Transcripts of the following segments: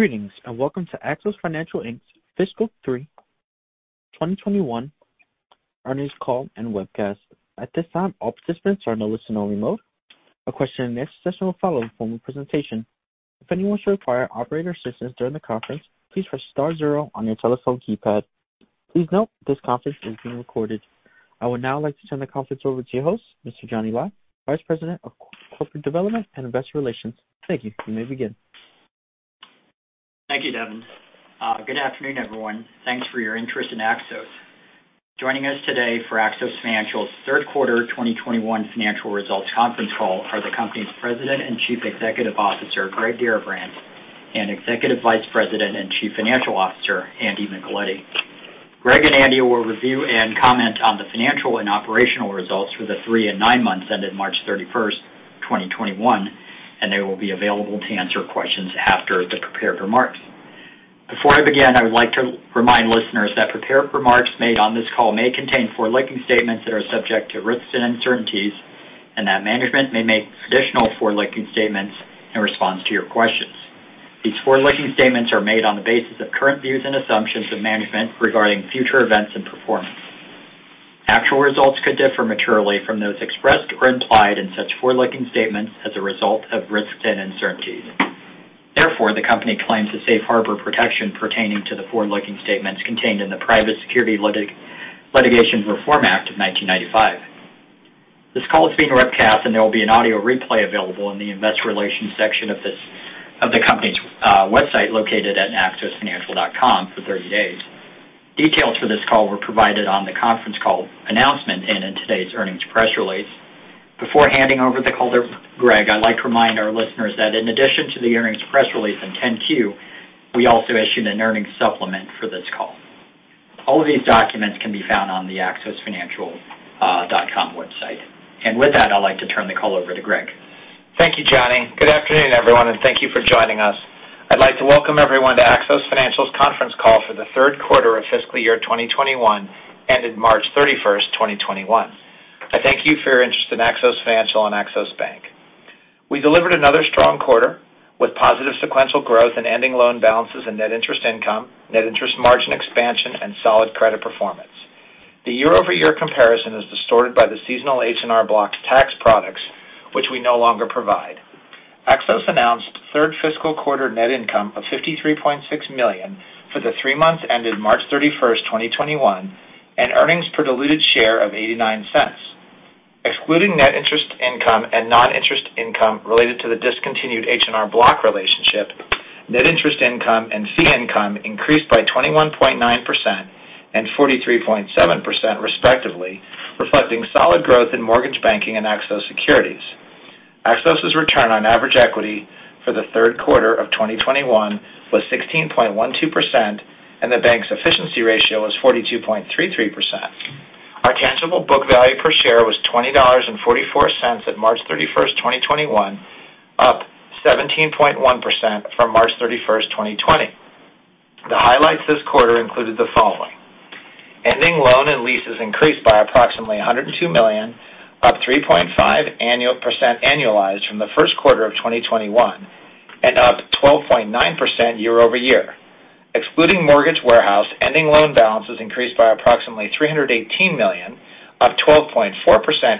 Greetings, and welcome to Axos Financial, Inc.'s fiscal three 2021 earnings call and webcast. I would now like to turn the conference over to your host, Mr. Johnny Lai, Vice President of Corporate Development and Investor Relations. Thank you. You may begin. Thank you, Devin. Good afternoon, everyone. Thanks for your interest in Axos. Joining us today for Axos Financial's Q3 2021 financial results conference call are the company's President and Chief Executive Officer, Greg Garrabrants, and Executive Vice President and Chief Financial Officer, Andrew J. Micheletti. Greg and Andrew will review and comment on the financial and operational results for the three and nine months ended March 31st, 2021, and they will be available to answer questions after the prepared remarks. Before I begin, I would like to remind listeners that prepared remarks made on this call may contain forward-looking statements that are subject to risks and uncertainties and that management may make additional forward-looking statements in response to your questions. These forward-looking statements are made on the basis of current views and assumptions of management regarding future events and performance. Actual results could differ materially from those expressed or implied in such forward-looking statements as a result of risks and uncertainties. The company claims the safe harbor protection pertaining to the forward-looking statements contained in the Private Securities Litigation Reform Act of 1995. This call is being webcast, there will be an audio replay available in the investor relations section of the company's website, located at axosfinancial.com for 30 days. Details for this call were provided on the conference call announcement and in today's earnings press release. Before handing over the call to Greg, I'd like to remind our listeners that in addition to the earnings press release in 10-Q, we also issued an earnings supplement for this call. All of these documents can be found on the axosfinancial.com website. With that, I'd like to turn the call over to Greg. Thank you, Johnny. Good afternoon, everyone, and thank you for joining us. I'd like to welcome everyone to Axos Financial's conference call for the Q3 of fiscal year 2021, ended March 31st, 2021. I thank you for your interest in Axos Financial and Axos Bank. We delivered another strong quarter with positive sequential growth in ending loan balances and net interest income, net interest margin expansion, and solid credit performance. The year-over-year comparison is distorted by the seasonal H&R Block tax products, which we no longer provide. Axos announced third fiscal quarter net income of $53.6 million for the three months ended March 31st, 2021, and earnings per diluted share of $0.89. Excluding net interest income and non-interest income related to the discontinued H&R Block relationship, net interest income and fee income increased by 21.9% and 43.7% respectively, reflecting solid growth in mortgage banking and Axos Securities. Axos' return on average equity for the Q3 of 2021 was 16.12%, and the bank's efficiency ratio was 42.33%. Our tangible book value per share was $20.44 at March 31, 2021, up 17.1% from March 31, 2020. The highlights this quarter included the following. Ending loan and leases increased by approximately $102 million, up 3.5% annualized from the Q1 of 2021 and up 12.9% year-over-year. Excluding mortgage warehouse, ending loan balances increased by approximately $318 million, up 12.4%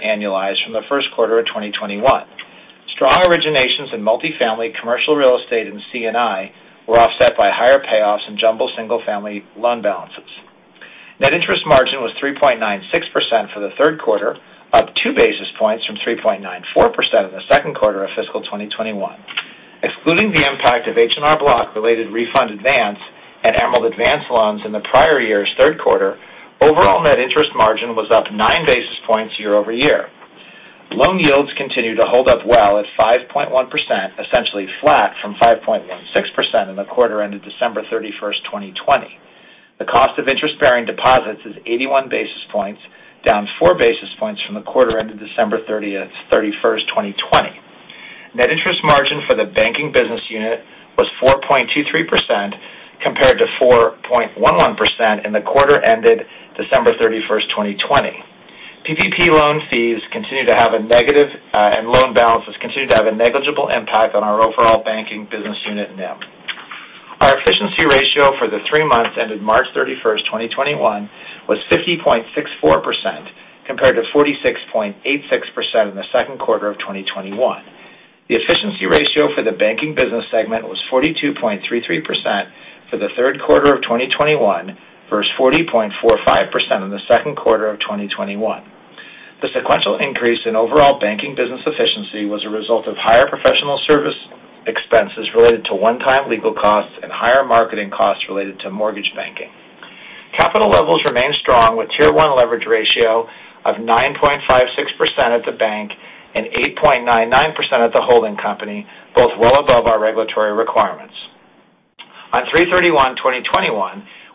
annualized from the Q1 of 2021. Strong originations in multifamily, commercial real estate and C&I were offset by higher payoffs in jumbo single-family loan balances. Net interest margin was 3.96% for the Q3, up two basis points from 3.94% in the Q2 of fiscal 2021. Excluding the impact of H&R Block-related refund advance at Emerald Advance loans in the prior year's Q3, overall net interest margin was up nine basis points year-over-year. Loan yields continue to hold up well at 5.1%, essentially flat from 5.16% in the quarter ended December 31st, 2020. The cost of interest-bearing deposits is 81 basis points, down four basis points from the quarter ended December 31st, 2020. Net interest margin for the banking business unit was 4.23% compared to 4.11% in the quarter ended December 31st, 2020. PPP loan fees continue to have a negligible impact on our overall banking business unit NIM. Our efficiency ratio for the three months ended March 31st, 2021, was 50.64% compared to 46.86% in the Q2 of 2021. The efficiency ratio for the banking business segment was 42.33% for the Q3 of 2021 versus 40.45% in the Q2 of 2021. The sequential increase in overall banking business efficiency was a result of higher professional service expenses related to one-time legal costs and higher marketing costs related to mortgage banking. Capital levels remain strong with tier 1 leverage ratio of 9.56% at the bank and 8.99% at the holding company, both well above our regulatory requirements. On 3/31/2021,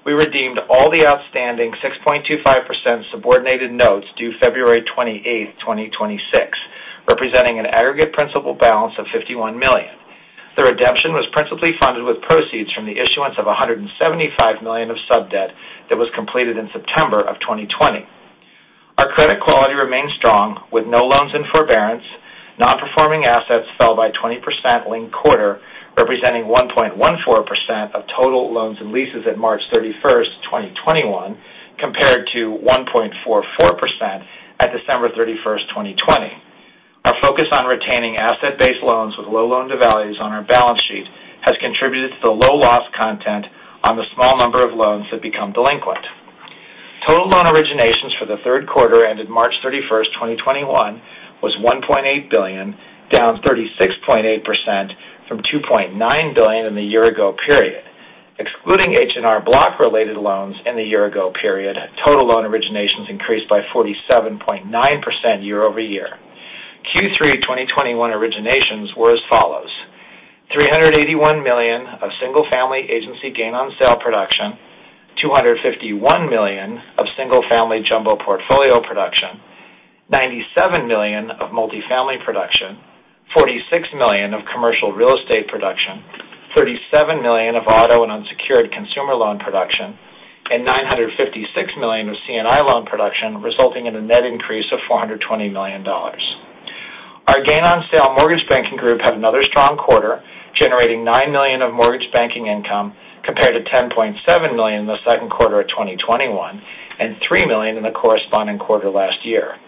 we redeemed all the outstanding 6.25% subordinated notes due February 28th, 2026, representing an aggregate principal balance of $51 million. The redemption was principally funded with proceeds from the issuance of $175 million of sub-debt that was completed in September of 2020. Our credit quality remains strong with no loans in forbearance. Non-performing assets fell by 20% linked quarter, representing 1.14% of total loans and leases at March 31st, 2021 compared to 1.44% at December 31st, 2020. Our focus on retaining asset-based loans with low loan-to-values on our balance sheet has contributed to the low loss content on the small number of loans that become delinquent. Total loan originations for the Q3 ended March 31st, 2021, was $1.8 billion, down 36.8% from $2.9 billion in the year-ago period. Excluding H&R Block-related loans in the year-ago period, total loan originations increased by 47.9% year over year. Q3 2021 originations were as follows: $381 million of single-family agency gain on sale production, $251 million of single-family jumbo portfolio production, $97 million of multifamily production, $46 million of commercial real estate production, $37 million of auto and unsecured consumer loan production, and $956 million of C&I loan production, resulting in a net increase of $420 million. Our gain on sale mortgage banking group had another strong quarter, generating $9 million of mortgage banking income, compared to $10.7 million in the Q2 of 2021 and $3 million in the corresponding quarter last year.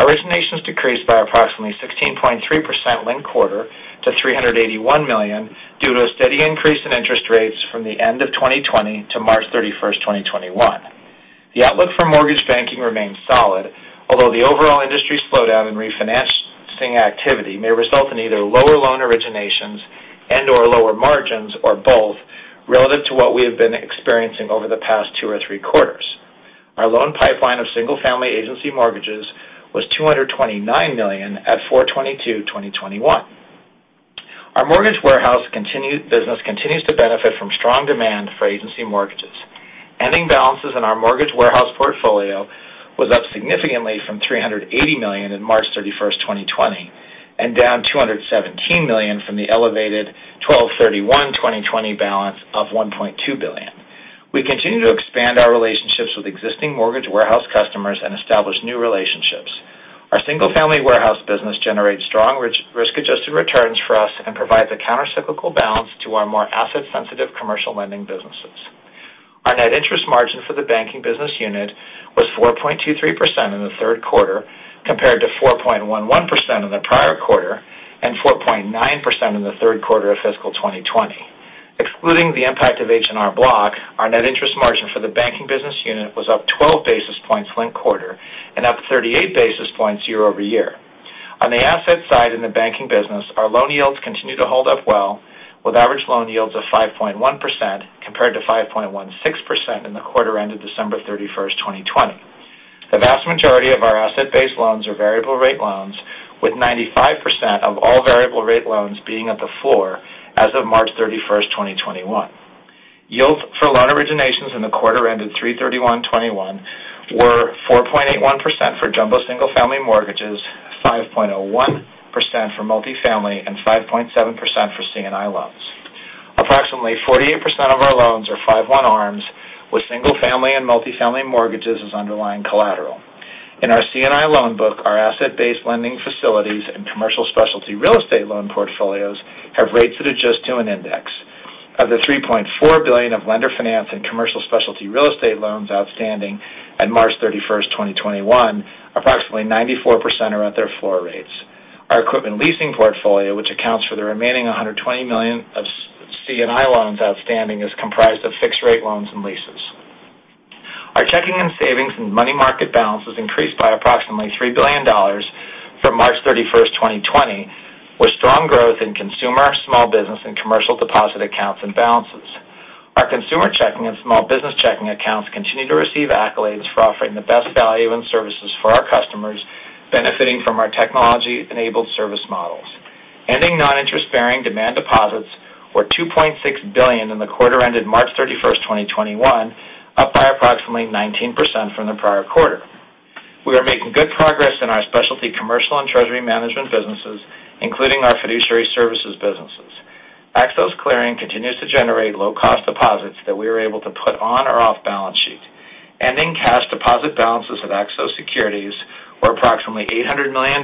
Originations decreased by approximately 16.3% linked quarter to $381 million due to a steady increase in interest rates from the end of 2020 to March 31, 2021. The outlook for mortgage banking remains solid, although the overall industry slowdown in refinancing activity may result in either lower loan originations and/or lower margins or both relative to what we have been experiencing over the past Q2-Q3. Our loan pipeline of single-family agency mortgages was $229 million at 04/22/2021. Our mortgage warehouse business continues to benefit from strong demand for agency mortgages. Ending balances in our mortgage warehouse portfolio was up significantly from $380 million in March 31st, 2020, and down $217 million from the elevated 12/31/2020 balance of $1.2 billion. We continue to expand our relationships with existing mortgage warehouse customers and establish new relationships. Our single-family warehouse business generates strong risk-adjusted returns for us and provides a countercyclical balance to our more asset-sensitive commercial lending businesses. Our net interest margin for the banking business unit was 4.23% in the Q3, compared to 4.11% in the prior quarter and 4.9% in the Q3 of fiscal 2020. Excluding the impact of H&R Block, our net interest margin for the banking business unit was up 12 basis points linked quarter and up 38 basis points year over year. On the asset side in the banking business, our loan yields continue to hold up well, with average loan yields of 5.1% compared to 5.16% in the quarter ended December 31, 2020. The vast majority of our asset-based loans are variable rate loans, with 95% of all variable rate loans being at the floor as of March 31, 2021. Yields for loan originations in the quarter ended 03/31/2021 were 4.81% for jumbo single-family mortgages, 5.01% for multifamily, and 5.7% for C&I loans. Approximately 48% of our loans are 5/1 ARMs with single-family and multifamily mortgages as underlying collateral. In our C&I loan book, our asset-based lending facilities and commercial specialty real estate loan portfolios have rates that adjust to an index. Of the $3.4 billion of lender finance and commercial specialty real estate loans outstanding at March 31, 2021, approximately 94% are at their floor rates. Our equipment leasing portfolio, which accounts for the remaining $120 million of C&I loans outstanding, is comprised of fixed-rate loans and leases. Our checking and savings and money market balances increased by approximately $3 billion from March 31st, 2020, with strong growth in consumer, small business, and commercial deposit accounts and balances. Our consumer checking and small business checking accounts continue to receive accolades for offering the best value and services for our customers benefiting from our technology-enabled service models. Ending non-interest-bearing demand deposits were $2.6 billion in the quarter ended March 31st, 2021, up by approximately 19% from the prior quarter. We are making good progress in our specialty commercial and treasury management businesses, including our fiduciary services businesses. Axos Clearing continues to generate low-cost deposits that we are able to put on or off balance sheet. Ending cash deposit balances at Axos Securities were approximately $800 million,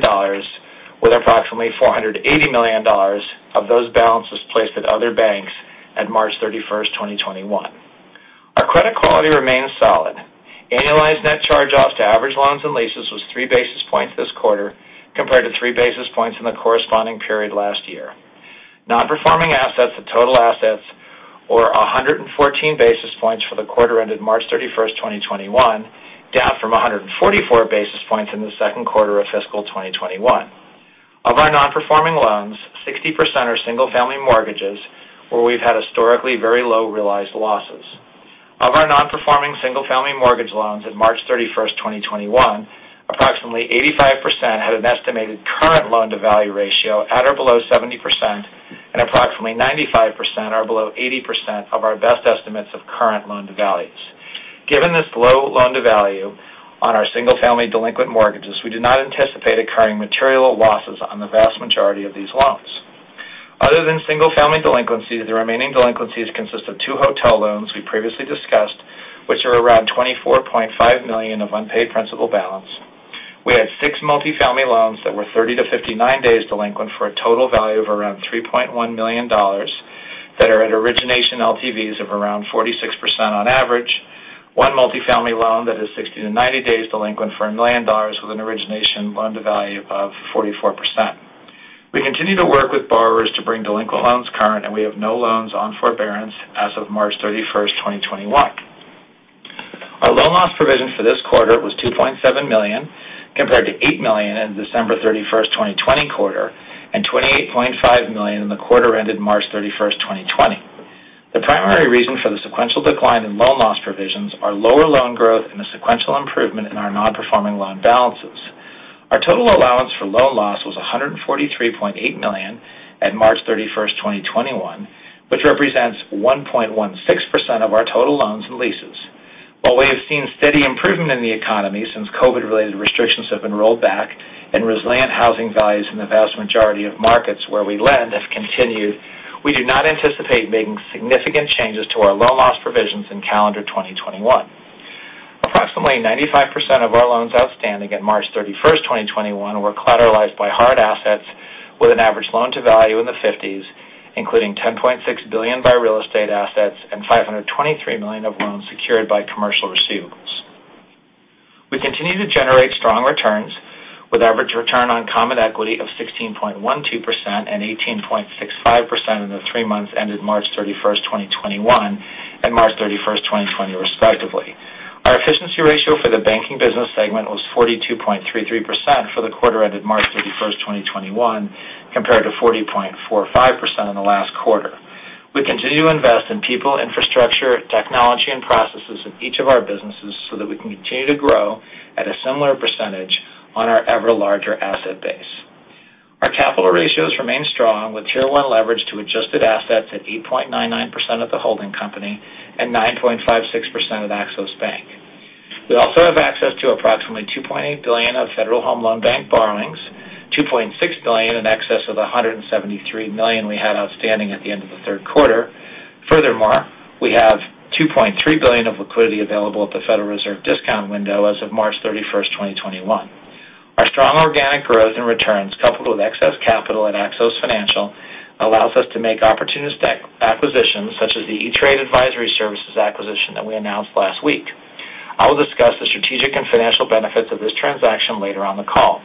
with approximately $480 million of those balances placed at other banks at March 31st, 2021. Our credit quality remains solid. Annualized net charge-offs to average loans and leases was three basis points this quarter compared to three basis points in the corresponding period last year. Non-performing assets to total assets were 114 basis points for the quarter ended March 31st, 2021, down from 144 basis points in the second quarter of fiscal 2021. Of our non-performing loans, 60% are single-family mortgages where we've had historically very low realized losses. Of our non-performing single-family mortgage loans at March 31st, 2021, approximately 85% had an estimated current loan-to-value ratio at or below 70%, and approximately 95% are below 80% of our best estimates of current loan-to-values. Given this low loan-to-value on our single-family delinquent mortgages, we do not anticipate incurring material losses on the vast majority of these loans. Other than single-family delinquencies, the remaining delinquencies consist of two hotel loans we previously discussed, which are around $24.5 million of unpaid principal balance. We had six multifamily loans that were 30 - 59 days delinquent for a total value of around $3.1 million that are at origination LTVs of around 46% on average. One multifamily loan that is 60 - 90 days delinquent for $1 million with an origination loan-to-value of 44%. We continue to work with borrowers to bring delinquent loans current, and we have no loans on forbearance as of March 31st, 2021. Our loan loss provision for this quarter was $2.7 million, compared to $8 million in December 31st, 2020 quarter and $28.5 million in the quarter ended March 31st, 2020. The primary reason for the sequential decline in loan loss provisions are lower loan growth and a sequential improvement in our non-performing loan balances. Our total allowance for loan loss was $143.8 million at March 31st, 2021, which represents 1.16% of our total loans and leases. While we have seen steady improvement in the economy since COVID-related restrictions have been rolled back and resilient housing values in the vast majority of markets where we lend have continued, we do not anticipate making significant changes to our loan loss provisions in calendar 2021. Approximately 95% of our loans outstanding at March 31st, 2021, were collateralized by hard assets with an average loan-to-value in the 50s, including $10.6 billion by real estate assets and $523 million of loans secured by commercial receivables. We continue to generate strong returns with average return on common equity of 16.12% and 18.65% in the three months ended March 31st, 2021, and March 31st, 2020, respectively. Our efficiency ratio for the banking business segment was 42.33% for the quarter ended March 31st, 2021, compared to 40.45% in the last quarter. We continue to invest in people, infrastructure, technology, and processes in each of our businesses so that we can continue to grow at a similar percentage on our ever-larger asset base. Our capital ratios remain strong with Tier 1 leverage to adjusted assets at 8.99% of the holding company and 9.56% of Axos Bank. We also have access to approximately $2.8 billion of Federal Home Loan Bank borrowings, $2.6 billion in excess of the $173 million we had outstanding at the end of the Q3. Furthermore, we have $2.3 billion of liquidity available at the Federal Reserve discount window as of March 31st, 2021. Our strong organic growth in returns, coupled with excess capital at Axos Financial, allows us to make opportunistic acquisitions such as the E*TRADE Advisor Services acquisition that we announced last week. I will discuss the strategic and financial benefits of this transaction later on the call.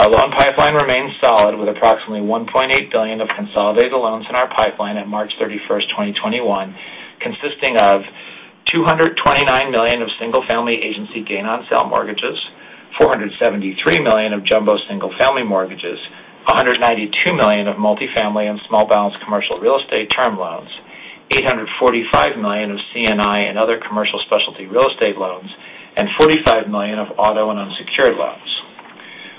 Our loan pipeline remains solid with approximately $1.8 billion of consolidated loans in our pipeline at March 31st, 2021, consisting of $229 million of single-family agency gain-on-sale mortgages, $473 million of jumbo single-family mortgages, $192 million of multifamily and small balance commercial real estate term loans, $845 million of C&I and other commercial specialty real estate loans, and $45 million of auto and unsecured loans.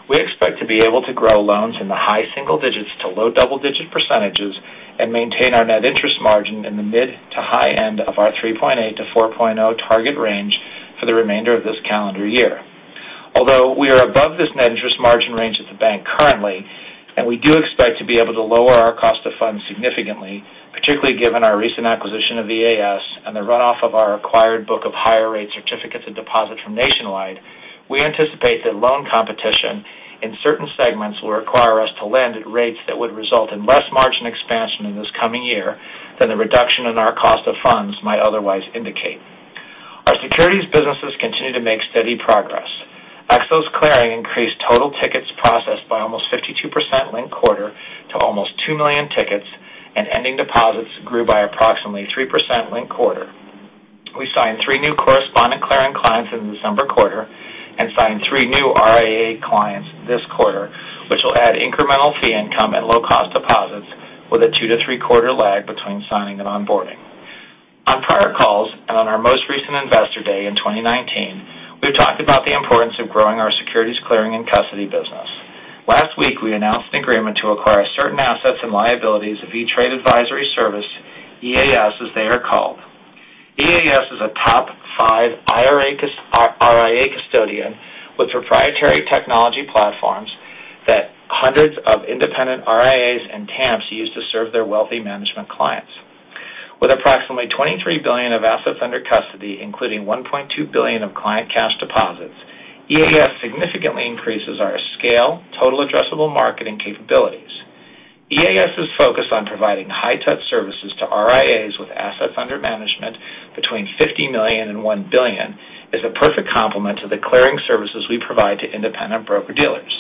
We expect to be able to grow loans in the high single digits to low double-digit percentages and maintain our net interest margin in the mid to high end of our 3.8-4.0 target range for the remainder of this calendar year. Although we are above this net interest margin range at the bank currently, and we do expect to be able to lower our cost of funds significantly, particularly given our recent acquisition of EAS and the runoff of our acquired book of higher rate certificates of deposit from Nationwide, we anticipate that loan competition in certain segments will require us to lend at rates that would result in less margin expansion in this coming year than the reduction in our cost of funds might otherwise indicate. Our securities businesses continue to make steady progress. Axos Clearing increased total tickets processed by almost 52% linked quarter to almost 2 million tickets. Ending deposits grew by approximately three percent linked quarter. We signed three new correspondent clearing clients in the December quarter and signed three new RIA clients this quarter, which will add incremental fee income at low cost deposits with a Q2-Q3 lag between signing and onboarding. On prior calls and on our most recent Investor Day in 2019, we've talked about the importance of growing our securities clearing and custody business. Last week, we announced an agreement to acquire certain assets and liabilities of E*TRADE Advisor Services, EAS as they are called. EAS is a top five RIA custodian with proprietary technology platforms that hundreds of independent RIAs and TAMPs use to serve their wealth management clients. With approximately $23 billion of assets under custody, including $1.2 billion of client cash deposits, EAS significantly increases our scale, total addressable market, and capabilities. EAS is focused on providing high-touch services to RIAs with assets under management between $50 million and $1 billion, is a perfect complement to the clearing services we provide to independent broker-dealers.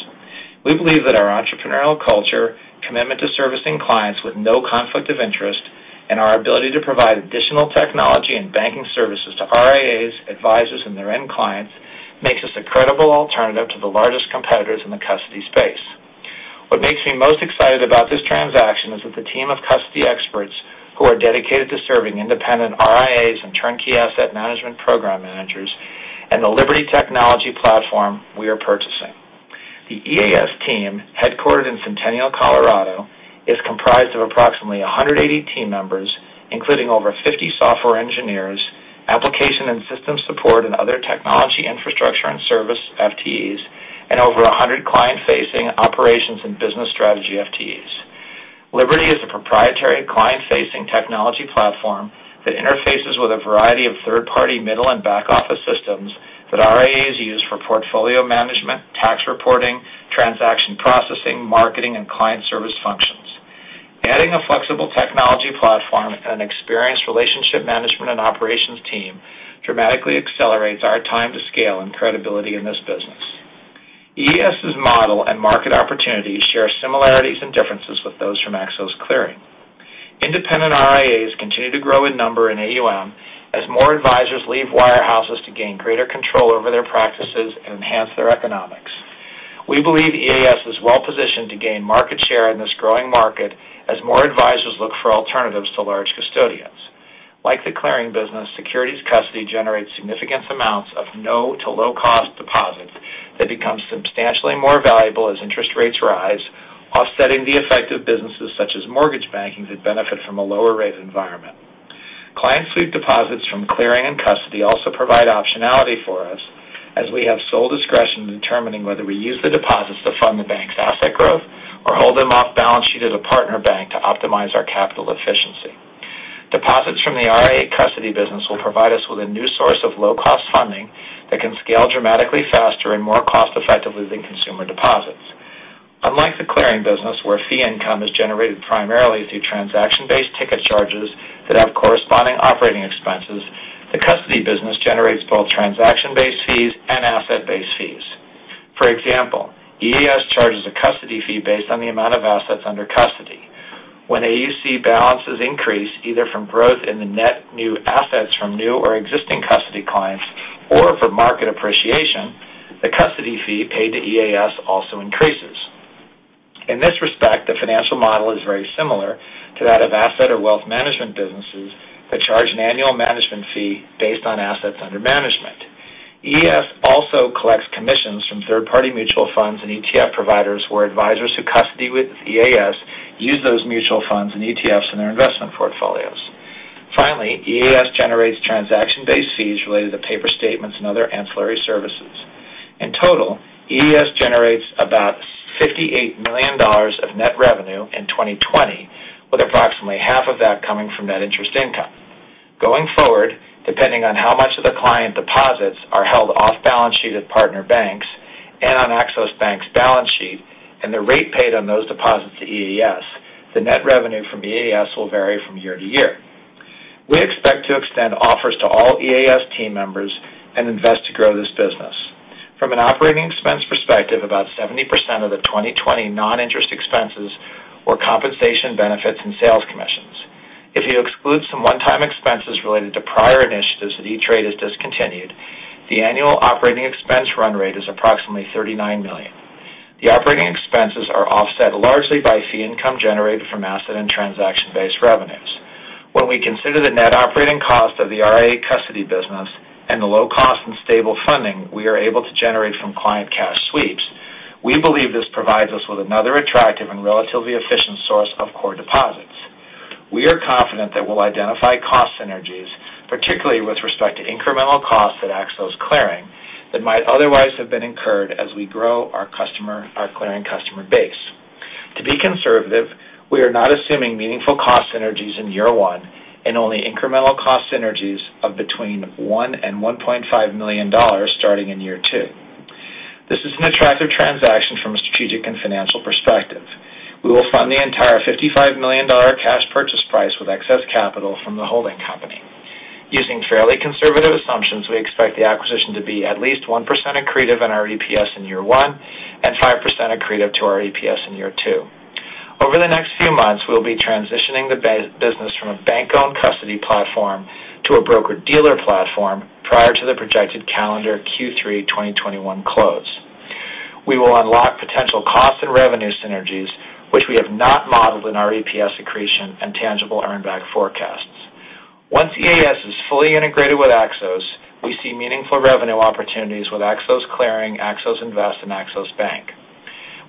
We believe that our entrepreneurial culture, commitment to servicing clients with no conflict of interest, and our ability to provide additional technology and banking services to RIAs, advisors, and their end clients makes us a credible alternative to the largest competitors in the custody space. What makes me most excited about this transaction is that the team of custody experts who are dedicated to serving independent RIAs and turnkey asset management program managers and the Liberty technology platform we are purchasing. The EAS team, headquartered in Centennial, Colorado, is comprised of approximately 180 team members, including over 50 software engineers, application and system support, and other technology infrastructure and service FTEs. Over 100 client-facing operations and business strategy FTEs. Liberty is a proprietary client-facing technology platform that interfaces with a variety of third-party middle and back-office systems that RIAs use for portfolio management, tax reporting, transaction processing, marketing, and client service functions. Adding a flexible technology platform and experienced relationship management and operations team dramatically accelerates our time to scale and credibility in this business. EAS's model and market opportunities share similarities and differences with those from Axos Clearing. Independent RIAs continue to grow in number in AUM as more advisors leave wirehouses to gain greater control over their practices and enhance their economics. We believe EAS is well-positioned to gain market share in this growing market as more advisors look for alternatives to large custodians. Like the clearing business, securities custody generates significant amounts of no to low-cost deposits that become substantially more valuable as interest rates rise, offsetting the effect of businesses such as mortgage banking that benefit from a lower rate environment. Client sweep deposits from clearing and custody also provide optionality for us as we have sole discretion in determining whether we use the deposits to fund the bank's asset growth or hold them off-balance sheet as a partner bank to optimize our capital efficiency. Deposits from the RIA custody business will provide us with a new source of low-cost funding that can scale dramatically faster and more cost-effectively than consumer deposits. Unlike the clearing business, where fee income is generated primarily through transaction-based ticket charges that have corresponding operating expenses, the custody business generates both transaction-based fees and asset-based fees. For example, EAS charges a custody fee based on the amount of assets under custody. When AUC balances increase, either from growth in the net new assets from new or existing custody clients or from market appreciation, the custody fee paid to EAS also increases. In this respect, the financial model is very similar to that of asset or wealth management businesses that charge an annual management fee based on assets under management. EAS also collects commissions from third-party mutual funds and ETF providers where advisors who custody with EAS use those mutual funds and ETFs in their investment portfolios. Finally, EAS generates transaction-based fees related to paper statements and other ancillary services. In total, EAS generates about $58 million of net revenue in 2020, with approximately half of that coming from net interest income. Going forward, depending on how much of the client deposits are held off-balance sheet at partner banks and on Axos Bank's balance sheet, and the rate paid on those deposits to EAS, the net revenue from EAS will vary from year to year. We expect to extend offers to all EAS team members and invest to grow this business. From an operating expense perspective, about 70% of the 2020 non-interest expenses were compensation benefits and sales commissions. If you exclude some one-time expenses related to prior initiatives that E*TRADE has discontinued, the annual operating expense run rate is approximately $39 million. The operating expenses are offset largely by fee income generated from asset and transaction-based revenues. When we consider the net operating cost of the RIA custody business and the low cost and stable funding we are able to generate from client cash sweeps, we believe this provides us with another attractive and relatively efficient source of core deposits. We are confident that we'll identify cost synergies, particularly with respect to incremental costs at Axos Clearing, that might otherwise have been incurred as we grow our clearing customer base. To be conservative, we are not assuming meaningful cost synergies in year one and only incremental cost synergies of between $1 million and $1.5 million starting in year two. This is an attractive transaction from a strategic and financial perspective. We will fund the entire $55 million cash purchase price with excess capital from the holding company. Using fairly conservative assumptions, we expect the acquisition to be at least one percent accretive on our EPS in year one and five percent accretive to our EPS in year two. Over the next few months, we'll be transitioning the business from a bank-owned custody platform to a broker-dealer platform prior to the projected calendar Q3 2021 close. We will unlock potential cost and revenue synergies, which we have not modeled in our EPS accretion and tangible earn-back forecasts. Once EAS is fully integrated with Axos, we see meaningful revenue opportunities with Axos Clearing, Axos Invest, and Axos Bank.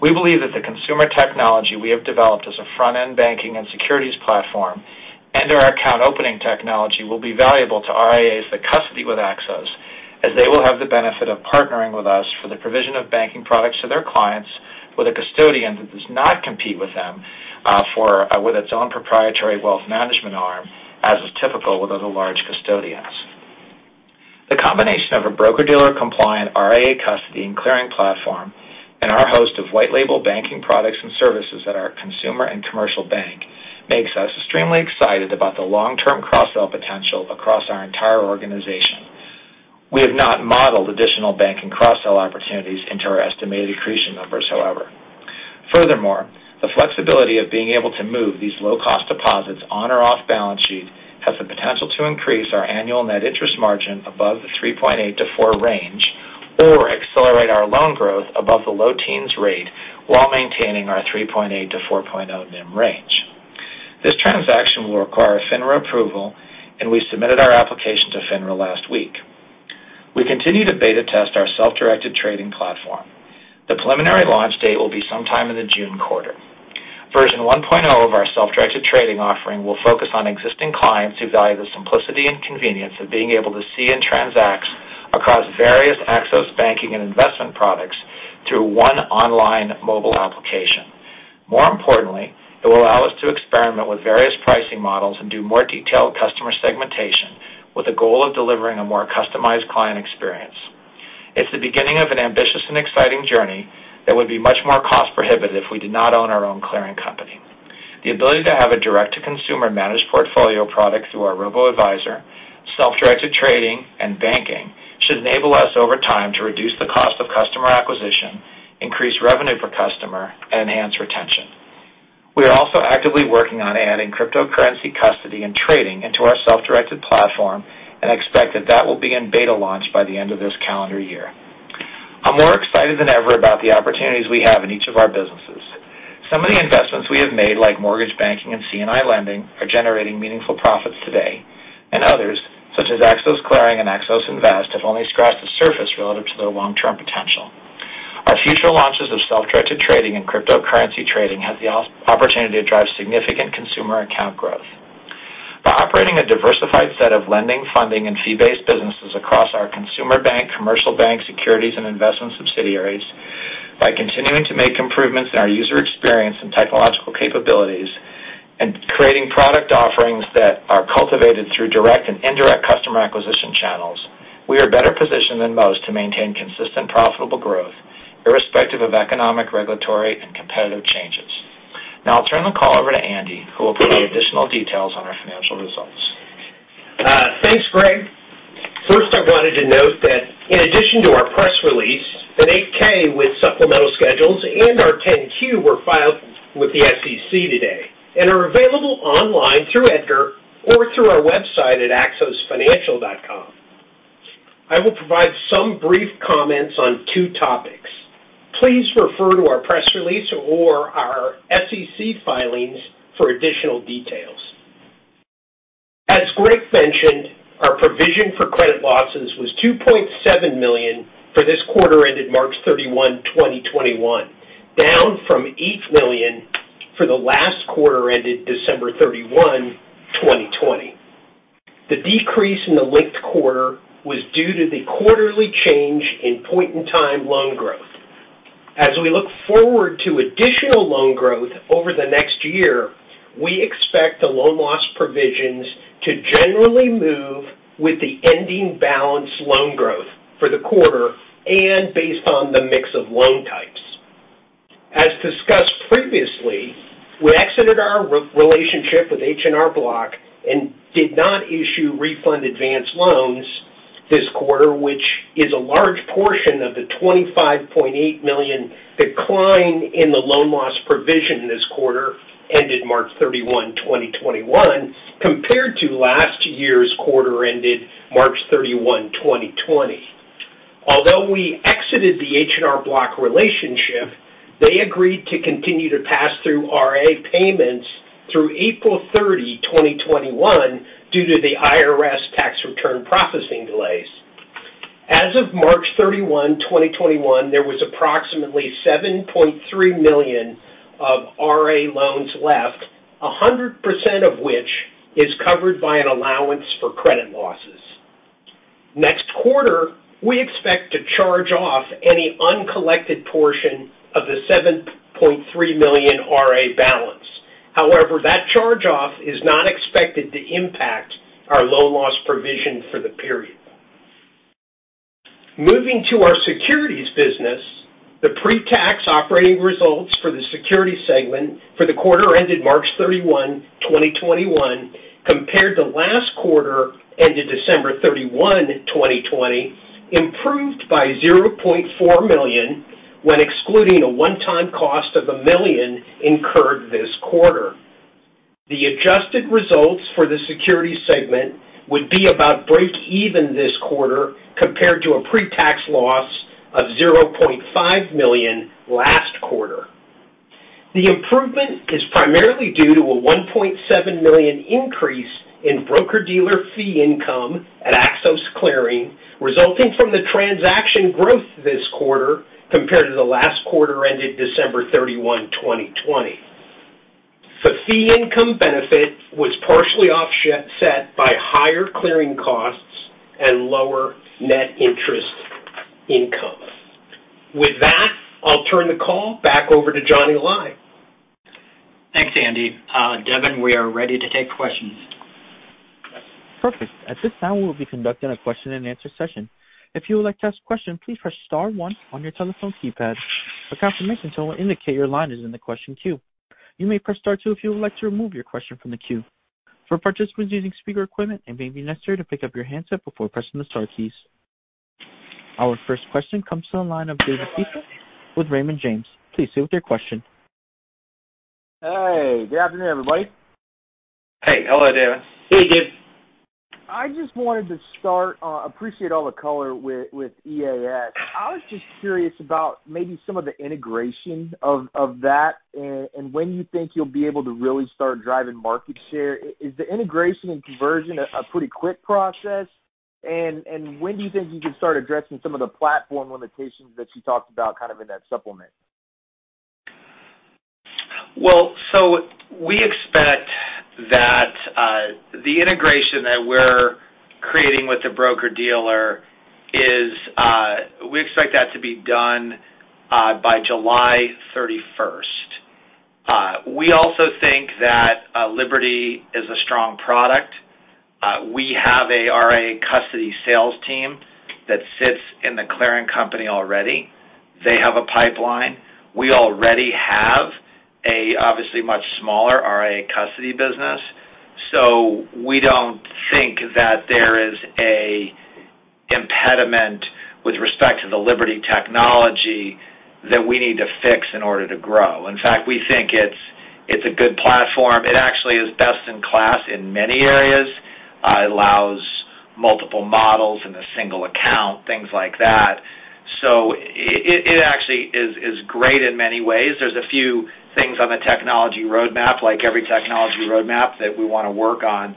We believe that the consumer technology we have developed as a front-end banking and securities platform and our account opening technology will be valuable to RIAs that custody with Axos, as they will have the benefit of partnering with us for the provision of banking products to their clients with a custodian that does not compete with them with its own proprietary wealth management arm, as is typical with other large custodians. The combination of a broker-dealer-compliant RIA custody and clearing platform and our host of white label banking products and services at our consumer and commercial bank makes us extremely excited about the long-term cross-sell potential across our entire organization. We have not modeled additional banking cross-sell opportunities into our estimated accretion numbers, however. Furthermore, the flexibility of being able to move these low-cost deposits on or off balance sheet has the potential to increase our annual net interest margin above the 3.8%-4% range or accelerate our loan growth above the low teens rate while maintaining our 3.8%-4.0% NIM range. This transaction will require a FINRA approval, and we submitted our application to FINRA last week. We continue to beta test our self-directed trading platform. The preliminary launch date will be sometime in the June quarter. Version 1.0 of our self-directed trading offering will focus on existing clients who value the simplicity and convenience of being able to see and transact across various Axos banking and investment products through one online mobile application. More importantly, it will allow us to experiment with various pricing models and do more detailed customer segmentation with the goal of delivering a more customized client experience. It's the beginning of an ambitious and exciting journey that would be much more cost prohibitive if we did not own our own clearing company. The ability to have a direct-to-consumer managed portfolio product through our robo-advisor, self-directed trading, and banking should enable us over time to reduce the cost of customer acquisition, increase revenue per customer, and enhance retention. We are also actively working on adding cryptocurrency custody and trading into our self-directed platform and expect that that will be in beta launch by the end of this calendar year. I'm more excited than ever about the opportunities we have in each of our businesses. Some of the investments we have made, like mortgage banking and C&I lending, are generating meaningful profits today. Others, such as Axos Clearing and Axos Invest, have only scratched the surface relative to their long-term potential. Our future launches of self-directed trading and cryptocurrency trading have the opportunity to drive significant consumer account growth. By operating a diversified set of lending, funding, and fee-based businesses across our consumer bank, commercial bank, securities, and investment subsidiaries by continuing to make improvements in our user experience and technological capabilities and creating product offerings that are cultivated through direct and indirect customer acquisition channels, we are better positioned than most to maintain consistent profitable growth irrespective of economic, regulatory, and competitive changes. Now I'll turn the call over to Andy, who will provide additional details on our financial results. Thanks, Greg. First, I wanted to note that in addition to our press release, an 8-K with supplemental schedules and our 10-Q were filed with the SEC today and are available online through EDGAR or through our website at axosfinancial.com. I will provide some brief comments on two topics. Please refer to our press release or our SEC filings for additional details. As Greg mentioned, our provision for credit losses was $2.7 million for this quarter ended March 31, 2021, down from $8 million for the last quarter ended December 31, 2020. The decrease in the linked quarter was due to the quarterly change in point-in-time loan growth. As we look forward to additional loan growth over the next year, we expect the loan loss provisions to generally move with the ending balance loan growth for the quarter and based on the mix of loan types. As discussed previously, we exited our relationship with H&R Block and did not issue refund advance loans this quarter, which is a large portion of the $25.8 million decline in the loan loss provision this quarter ended March 31, 2021, compared to last year's quarter ended March 31, 2020. Although we exited the H&R Block relationship, they agreed to continue to pass through RA payments through April 30, 2021, due to the IRS tax return processing delays. As of March 31, 2021, there was approximately $7.3 million of RA loans left, 100% of which is covered by an allowance for credit losses. Next quarter, we expect to charge off any uncollected portion of the $7.3 million RA balance. However, that charge-off is not expected to impact our loan loss provision for the period. Moving to our securities business, the pre-tax operating results for the security segment for the quarter ended March 31, 2021, compared to last quarter, ended December 31, 2020, improved by $0.4 million when excluding a one-time cost of $1 million incurred this quarter. The adjusted results for the security segment would be about breakeven this quarter, compared to a pre-tax loss of $0.5 million last quarter. The improvement is primarily due to a $1.7 million increase in broker-dealer fee income at Axos Clearing, resulting from the transaction growth this quarter compared to the last quarter ended December 31, 2020. The fee income benefit was partially offset by higher clearing costs and lower net interest income. With that, I'll turn the call back over to Johnny Lai. Thanks, Andy. Devin, we are ready to take questions. Perfect. At this time, we will be conducting a question and answer session. If you would like to ask a question, please press star one on your telephone keypad. A confirmation tone will indicate your line is in the question queue. You may press star two if you would like to remove your question from the queue. For participants using speaker equipment, it may be necessary to pick up your handset before pressing the star keys. Our first question comes to the line of David Feaster with Raymond James. Please stay with your question. Hey, good afternoon, everybody. Hey. Hello, David. Hey, David. I just wanted to start, appreciate all the color with EAS. I was just curious about maybe some of the integration of that and when you think you'll be able to really start driving market share. Is the integration and conversion a pretty quick process? When do you think you can start addressing some of the platform limitations that you talked about in that supplement? We expect that the integration that we're creating with the broker-dealer to be done by July 31st. We also think that Liberty is a strong product. We have a RIA custody sales team that sits in the clearing company already. They have a pipeline. We already have a obviously much smaller RIA custody business. We don't think that there is a impediment with respect to the Liberty technology that we need to fix in order to grow. In fact, we think it's a good platform. It actually is best in class in many areas. It allows multiple models in a single account, things like that. It actually is great in many ways. There's a few things on the technology roadmap, like every technology roadmap, that we want to work on.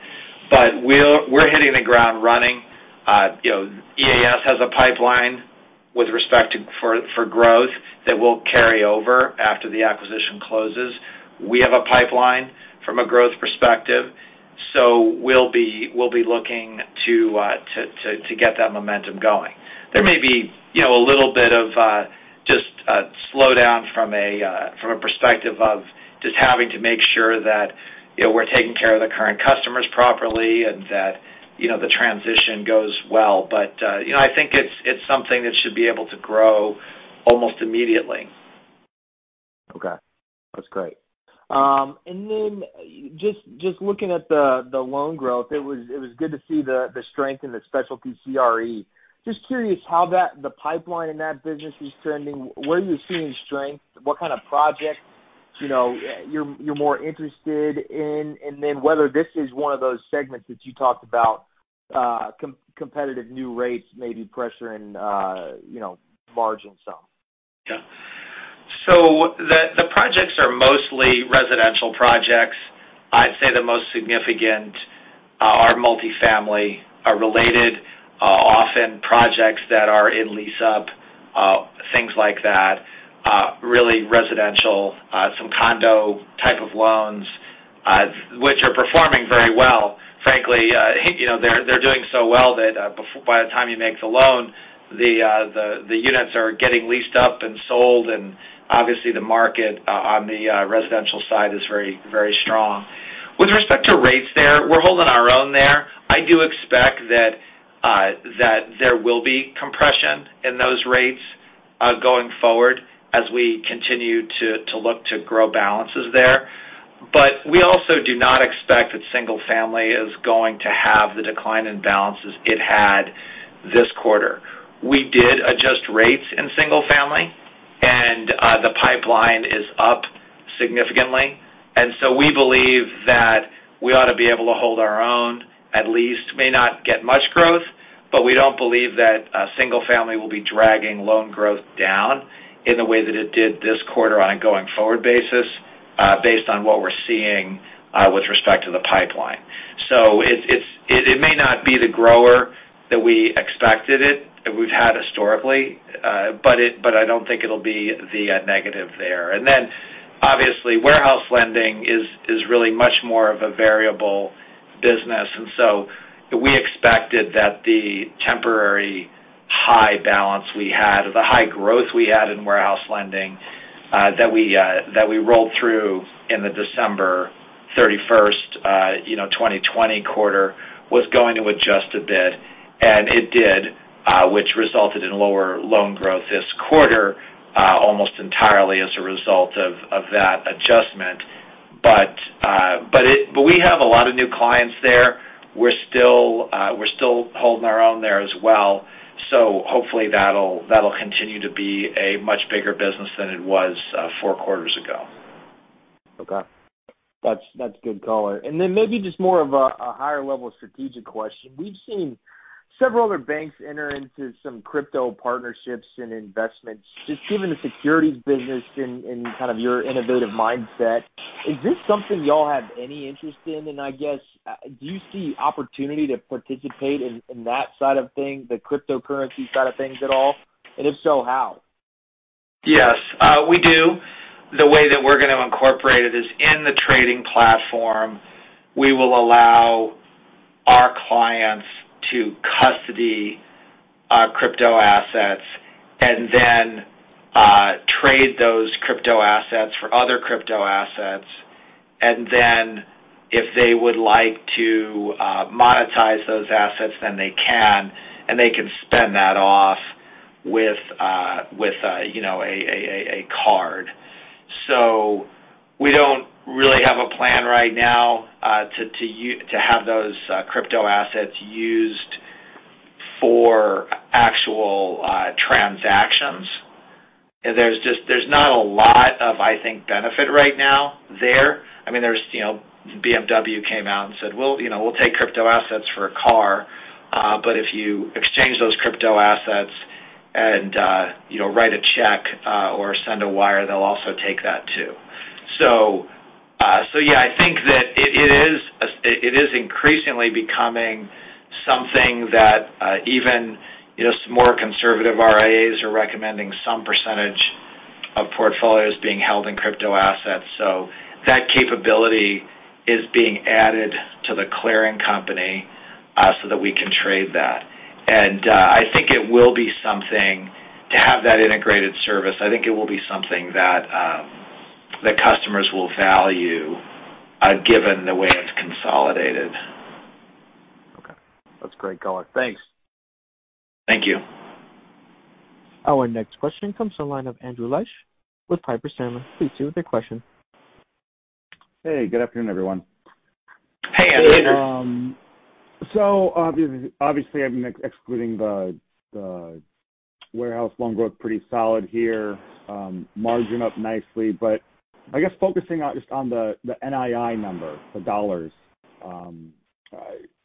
We're hitting the ground running. EAS has a pipeline with respect for growth that will carry over after the acquisition closes. We have a pipeline from a growth perspective, we'll be looking to get that momentum going. There may be a little bit of just a slowdown from a perspective of just having to make sure that we're taking care of the current customers properly and that the transition goes well. I think it's something that should be able to grow almost immediately. Okay. That's great. Just looking at the loan growth, it was good to see the strength in the specialty CRE. Just curious how the pipeline in that business is trending. Where are you seeing strength? What kind of projects you're more interested in? Whether this is one of those segments that you talked about competitive new rates may be pressuring margin some. Yeah. The projects are mostly residential projects. I'd say the most significant are multifamily, are related often projects that are in lease-up, things like that. Really residential, some condo type of loans, which are performing very well. Frankly, they're doing so well that by the time you make the loan, the units are getting leased up and sold, obviously the market on the residential side is very strong. With respect to rates there, we're holding our own there. I do expect that there will be compression in those rates going forward as we continue to look to grow balances there. We also do not expect that single family is going to have the decline in balances it had this quarter. We did adjust rates in single family, the pipeline is up significantly. We believe that we ought to be able to hold our own, at least may not get much growth, but we don't believe that single-family will be dragging loan growth down in the way that it did this quarter on a going-forward basis, based on what we're seeing with respect to the pipeline. It may not be the grower that we expected it, that we've had historically, but I don't think it'll be the negative there. Obviously, warehouse lending is really much more of a variable business. We expected that the temporary high balance we had, or the high growth we had in warehouse lending that we rolled through in the December 31st 2020 quarter was going to adjust a bit. It did, which resulted in lower loan growth this quarter almost entirely as a result of that adjustment. We have a lot of new clients there. We're still holding our own there as well. Hopefully that'll continue to be a much bigger business than it was Q4 ago. Okay. That's good color. Maybe just more of a higher level strategic question. We've seen several other banks enter into some crypto partnerships and investments. Just given the securities business and kind of your innovative mindset, is this something you all have any interest in? I guess, do you see opportunity to participate in that side of things, the cryptocurrency side of things at all? If so, how? Yes. We do. The way that we're going to incorporate it is in the trading platform. We will allow our clients to custody crypto assets and then trade those crypto assets for other crypto assets. If they would like to monetize those assets, they can, and they can spend that off with a card. We don't really have a plan right now to have those crypto assets used for actual transactions. There's not a lot of, I think, benefit right now there. BMW came out and said, "We'll take crypto assets for a car. If you exchange those crypto assets and write a check or send a wire, they'll also take that too." I think that it is increasingly becoming something that even some more conservative RIAs are recommending some percentage of portfolios being held in crypto assets. That capability is being added to the clearing company so that we can trade that. I think it will be something, to have that integrated service, I think it will be something that customers will value given the way it's consolidated. Okay. That's great, Collin. Thanks. Thank you. Our next question comes to the line of Andrew Liesch with Piper Sandler. Please proceed with your question. Hey, good afternoon, everyone. Hey, Andrew. Obviously I'm excluding the warehouse loan growth, pretty solid here, margin up nicely. I guess focusing just on the NII number, the dollars.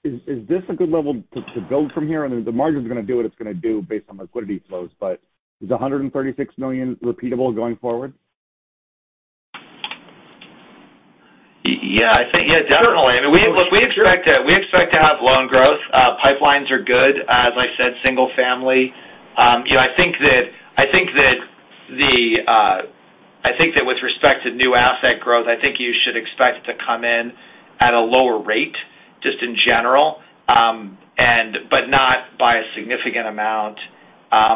Is this a good level to build from here? I know the margin's going to do what it's going to do based on liquidity flows, but is the $136 million repeatable going forward? Yeah, definitely. Look, we expect to have loan growth. Pipelines are good. As I said, single family. I think that with respect to new asset growth, I think you should expect it to come in at a lower rate just in general. Not by a significant amount.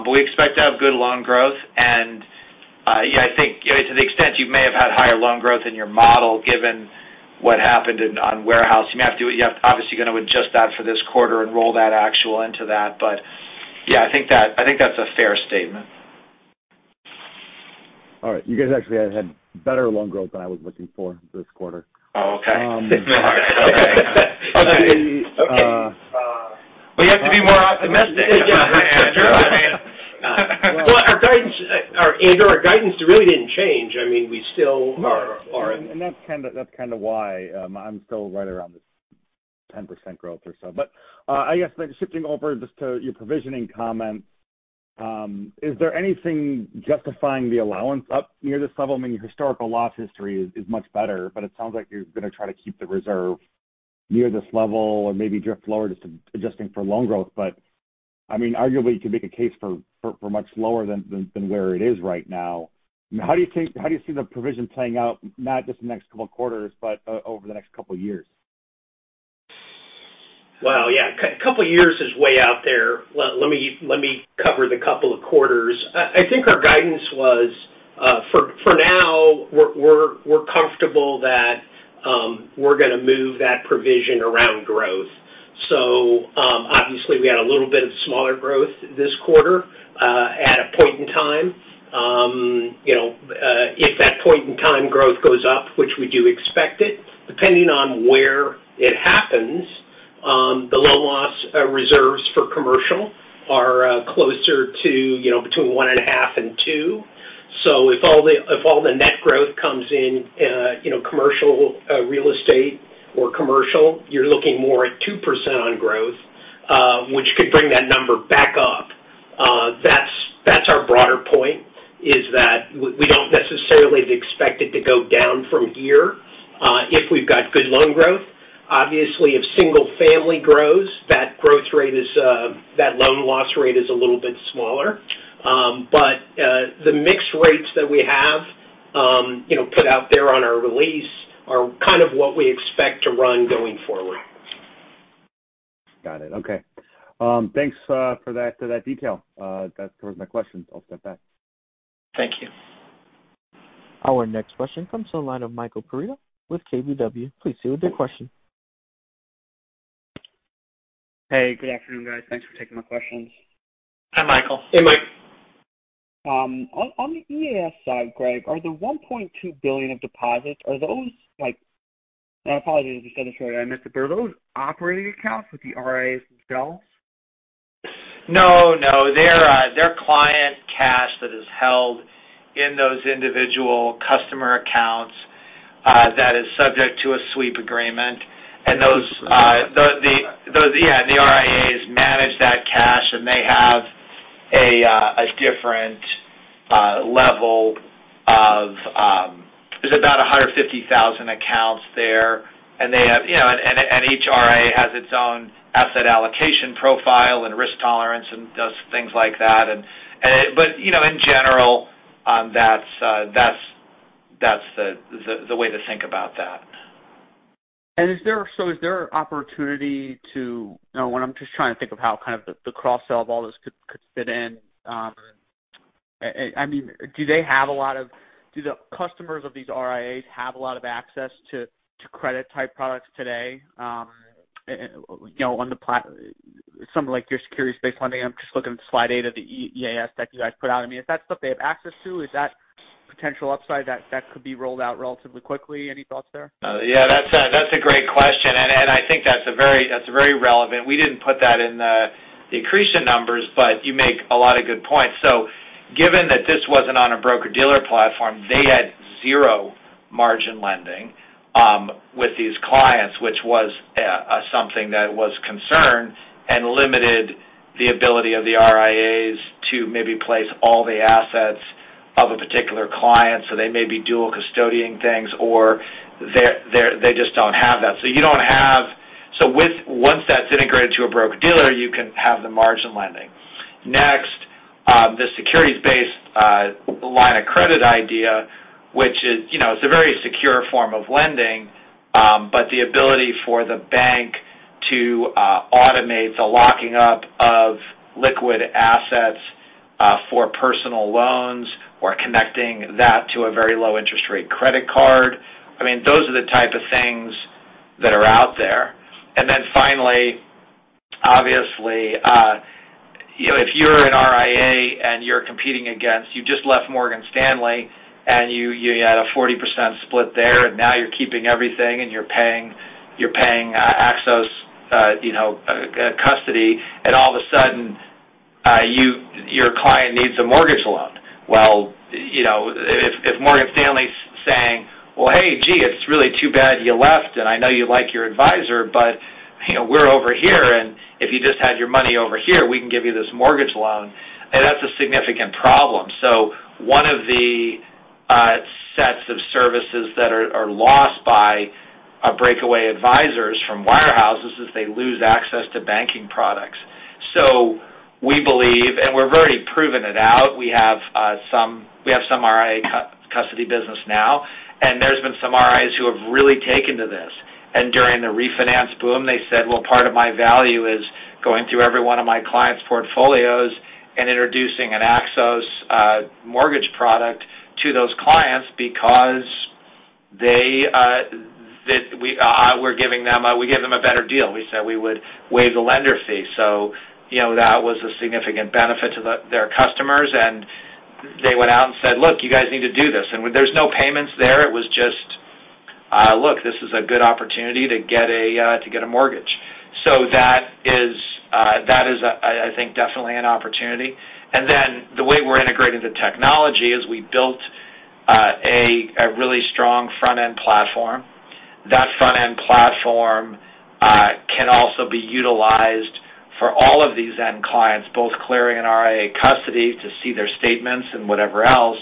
We expect to have good loan growth and I think to the extent you may have had higher loan growth in your model given what happened on warehouse. You have to obviously going to adjust that for this quarter and roll that actual into that. Yeah, I think that's a fair statement. All right. You guys actually had better loan growth than I was looking for this quarter. Oh, okay. Okay. Well, you have to be more optimistic. Yeah. Well, our guidance, Andrew, our guidance really didn't change. That's kind of why I'm still right around this 10% growth or so. I guess then shifting over just to your provisioning comments, is there anything justifying the allowance up near this level? I mean, your historical loss history is much better, but it sounds like you're going to try to keep the reserve near this level or maybe drift lower just adjusting for loan growth. I mean, arguably you could make a case for much lower than where it is right now. How do you see the provision playing out, not just the next couple of quarters, but over the next couple of years? Well, yeah. A couple of years is way out there. Let me cover the couple of quarters. I think our guidance was for now we're comfortable that we're going to move that provision around growth. Obviously, we had a little bit of smaller growth this quarter at a point in time. If that point in time growth goes up, which we do expect it, depending on where it happens, the low loss reserves for commercial are closer to between one and a half and two. If all the net growth comes in commercial real estate or commercial, you're looking more at two percent on growth, which could bring that number back up. That's our broader point, is that we don't necessarily expect it to go down from here if we've got good loan growth. Obviously, if single family grows, that loan loss rate is a little bit smaller. The mix rates that we have put out there on our release are kind of what we expect to run going forward. Got it. Okay. Thanks for that detail. That covers my questions. I'll step back. Thank you. Our next question comes to the line of Michael Perito with KBW. Please proceed with your question. Hey, good afternoon, guys. Thanks for taking my questions. Hi, Michael. Hey, Mike. On the EAS side, Greg, are the $1.2 billion of deposits, and I apologize if you said this already, I missed it, but are those operating accounts that the RIAs themselves? No. They're client cash that is held in those individual customer accounts that is subject to a sweep agreement. Okay. Yeah. The RIAs manage that cash. There's about 150,000 accounts there. Each RIA has its own asset allocation profile and risk tolerance and does things like that. In general, that's the way to think about that. Is there opportunity? I'm just trying to think of how kind of the cross-sell of all this could fit in. Do the customers of these RIAs have a lot of access to credit type products today on the something like your securities-based funding? I'm just looking at slide eight of the EAS deck you guys put out. I mean, is that stuff they have access to? Is that potential upside that could be rolled out relatively quickly? Any thoughts there? Yeah, that's a great question. I think that's very relevant. We didn't put that in the accretion numbers, but you make a lot of good points. Given that this wasn't on a broker-dealer platform, they had zero margin lending with these clients, which was something that was concerned and limited the ability of the RIAs to maybe place all the assets of a particular client, so they may be dual-custodian things, or they just don't have that. Once that's integrated to a broker-dealer, you can have the margin lending. Next, the securities-based line of credit idea, which is a very secure form of lending, but the ability for the bank to automate the locking up of liquid assets for personal loans or connecting that to a very low interest rate credit card. Those are the type of things that are out there. Finally, obviously, if you're an RIA and you're competing against You just left Morgan Stanley and you had a 40% split there, and now you're keeping everything and you're paying Axos custody, and all of a sudden, your client needs a mortgage loan. If Morgan Stanley's saying, "Well, hey, gee, it's really too bad you left, and I know you like your advisor, but we're over here, and if you just had your money over here, we can give you this mortgage loan," that's a significant problem. One of the sets of services that are lost by breakaway advisors from wirehouses is they lose access to banking products. We believe, and we've already proven it out. We have some RIA custody business now, and there's been some RIAs who have really taken to this. During the refinance boom, they said, "Well, part of my value is going through every one of my clients' portfolios and introducing an Axos mortgage product to those clients because we give them a better deal." We said we would waive the lender fee. That was a significant benefit to their customers, and they went out and said, "Look, you guys need to do this." There's no payments there. It was just, "Look, this is a good opportunity to get a mortgage." That is, I think, definitely an opportunity. The way we're integrating the technology is we built a really strong front-end platform. That front-end platform can also be utilized for all of these end clients, both clearing and RIA custody, to see their statements and whatever else.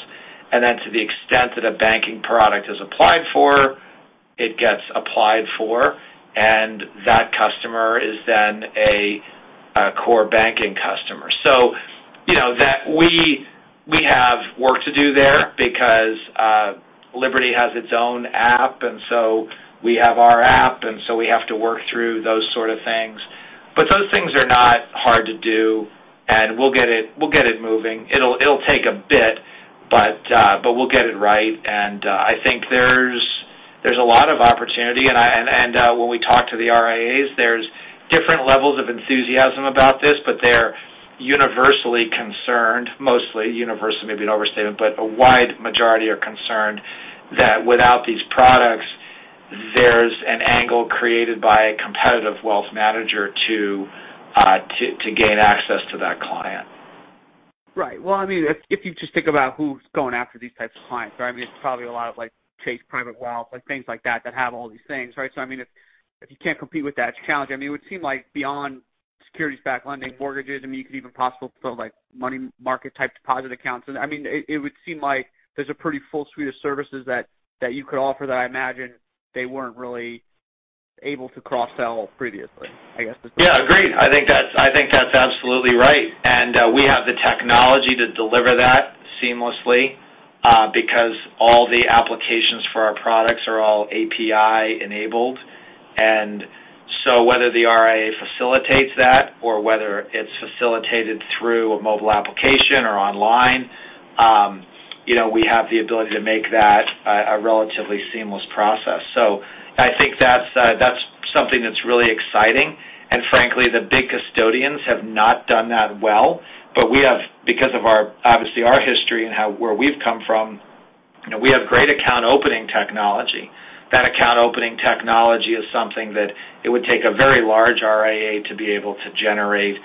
To the extent that a banking product is applied for, it gets applied for, and that customer is then a core banking customer. We have work to do there because Liberty has its own app, and so we have our app, and so we have to work through those sort of things. Those things are not hard to do, and we'll get it moving. It'll take a bit, but we'll get it right. I think there's a lot of opportunity. When we talk to the RIAs, there's different levels of enthusiasm about this, but they're universally concerned. Mostly universally may be an overstatement, but a wide majority are concerned that without these products, there's an angle created by a competitive wealth manager to gain access to that client. Right. Well, if you just think about who's going after these types of clients, it's probably a lot of Chase private wealth, things like that have all these things, right? If you can't compete with that, it's challenging. It would seem like beyond securities-backed lending, mortgages, you could even possibly build money market-type deposit accounts. It would seem like there's a pretty full suite of services that you could offer that I imagine they weren't really able to cross-sell previously. Yeah, agreed. I think that's absolutely right. We have the technology to deliver that seamlessly because all the applications for our products are all API-enabled. Whether the RIA facilitates that or whether it's facilitated through a mobile application or online, we have the ability to make that a relatively seamless process. I think that's something that's really exciting. Frankly, the big custodians have not done that well. Because of obviously our history and where we've come from, we have great account opening technology. That account opening technology is something that it would take a very large RIA to be able to generate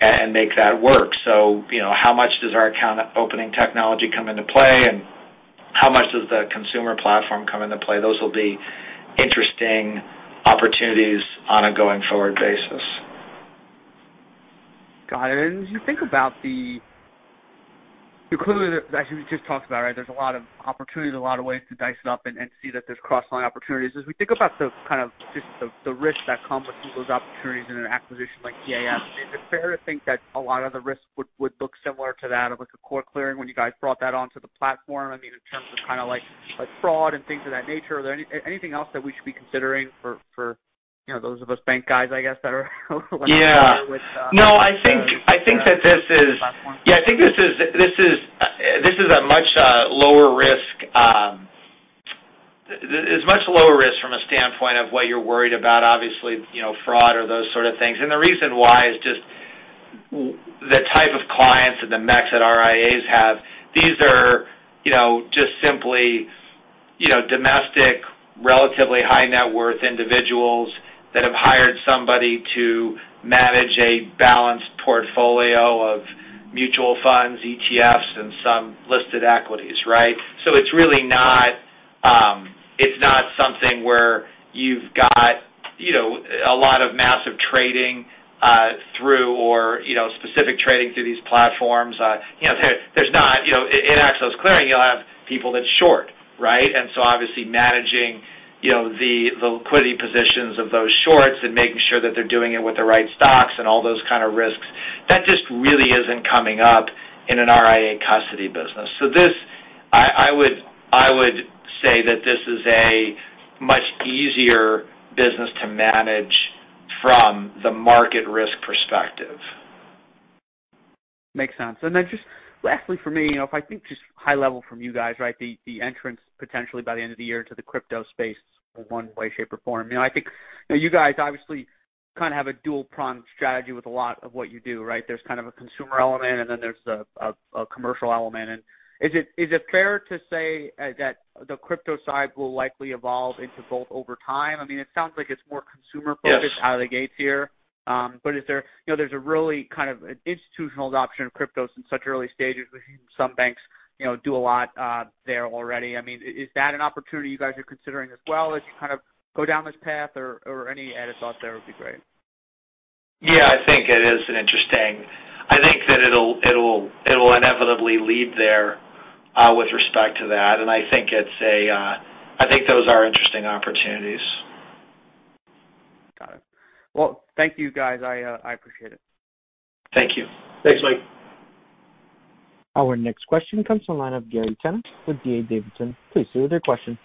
and make that work. How much does our account opening technology come into play, and how much does the consumer platform come into play? Those will be interesting opportunities on a going forward basis. Got it. As you think about the Clearing, as we just talked about, there's a lot of opportunities, a lot of ways to dice it up and see that there's cross-line opportunities. As we think about just the risk that comes with some of those opportunities in an acquisition like EAS, is it fair to think that a lot of the risk would look similar to that of a core clearing when you guys brought that onto the platform, in terms of fraud and things of that nature? Anything else that we should be considering for those of us bank guys, I guess, that are a little unfamiliar with- Yeah. No, I think that. platforms. Yeah, I think this is a much lower risk from a standpoint of what you're worried about, obviously, fraud or those sort of things. The reason why is just the type of clients and the methods that RIAs have. These are just simply domestic, relatively high net worth individuals that have hired somebody to manage a balanced portfolio of mutual funds, ETFs, and some listed equities, right? It's really not a lot of massive trading through or specific trading through these platforms. In Axos Clearing, you'll have people that short, right? Obviously managing the liquidity positions of those shorts and making sure that they're doing it with the right stocks and all those kind of risks, that just really isn't coming up in an RIA custody business. I would say that this is a much easier business to manage from the market risk perspective. Makes sense. Just lastly for me, if I think just high level from you guys, the entrance potentially by the end of the year to the crypto space in one way, shape, or form. I think you guys obviously kind of have a dual-pronged strategy with a lot of what you do. There's kind of a consumer element, and then there's a commercial element. Is it fair to say that the crypto side will likely evolve into both over time? I mean, it sounds like it's more consumer-focused- Yes out of the gates here. There's a really kind of an institutional adoption of cryptos in such early stages. Some banks do a lot there already. I mean, is that an opportunity you guys are considering as well as you kind of go down this path or any added thoughts there would be great? Yeah, I think it is an interesting. I think that it'll inevitably lead there, with respect to that. I think those are interesting opportunities. Got it. Well, thank you guys. I appreciate it. Thank you. Thanks, Mike. Our next question comes from line of Gary Tenner with D.A. Davidson. Please proceed with your question.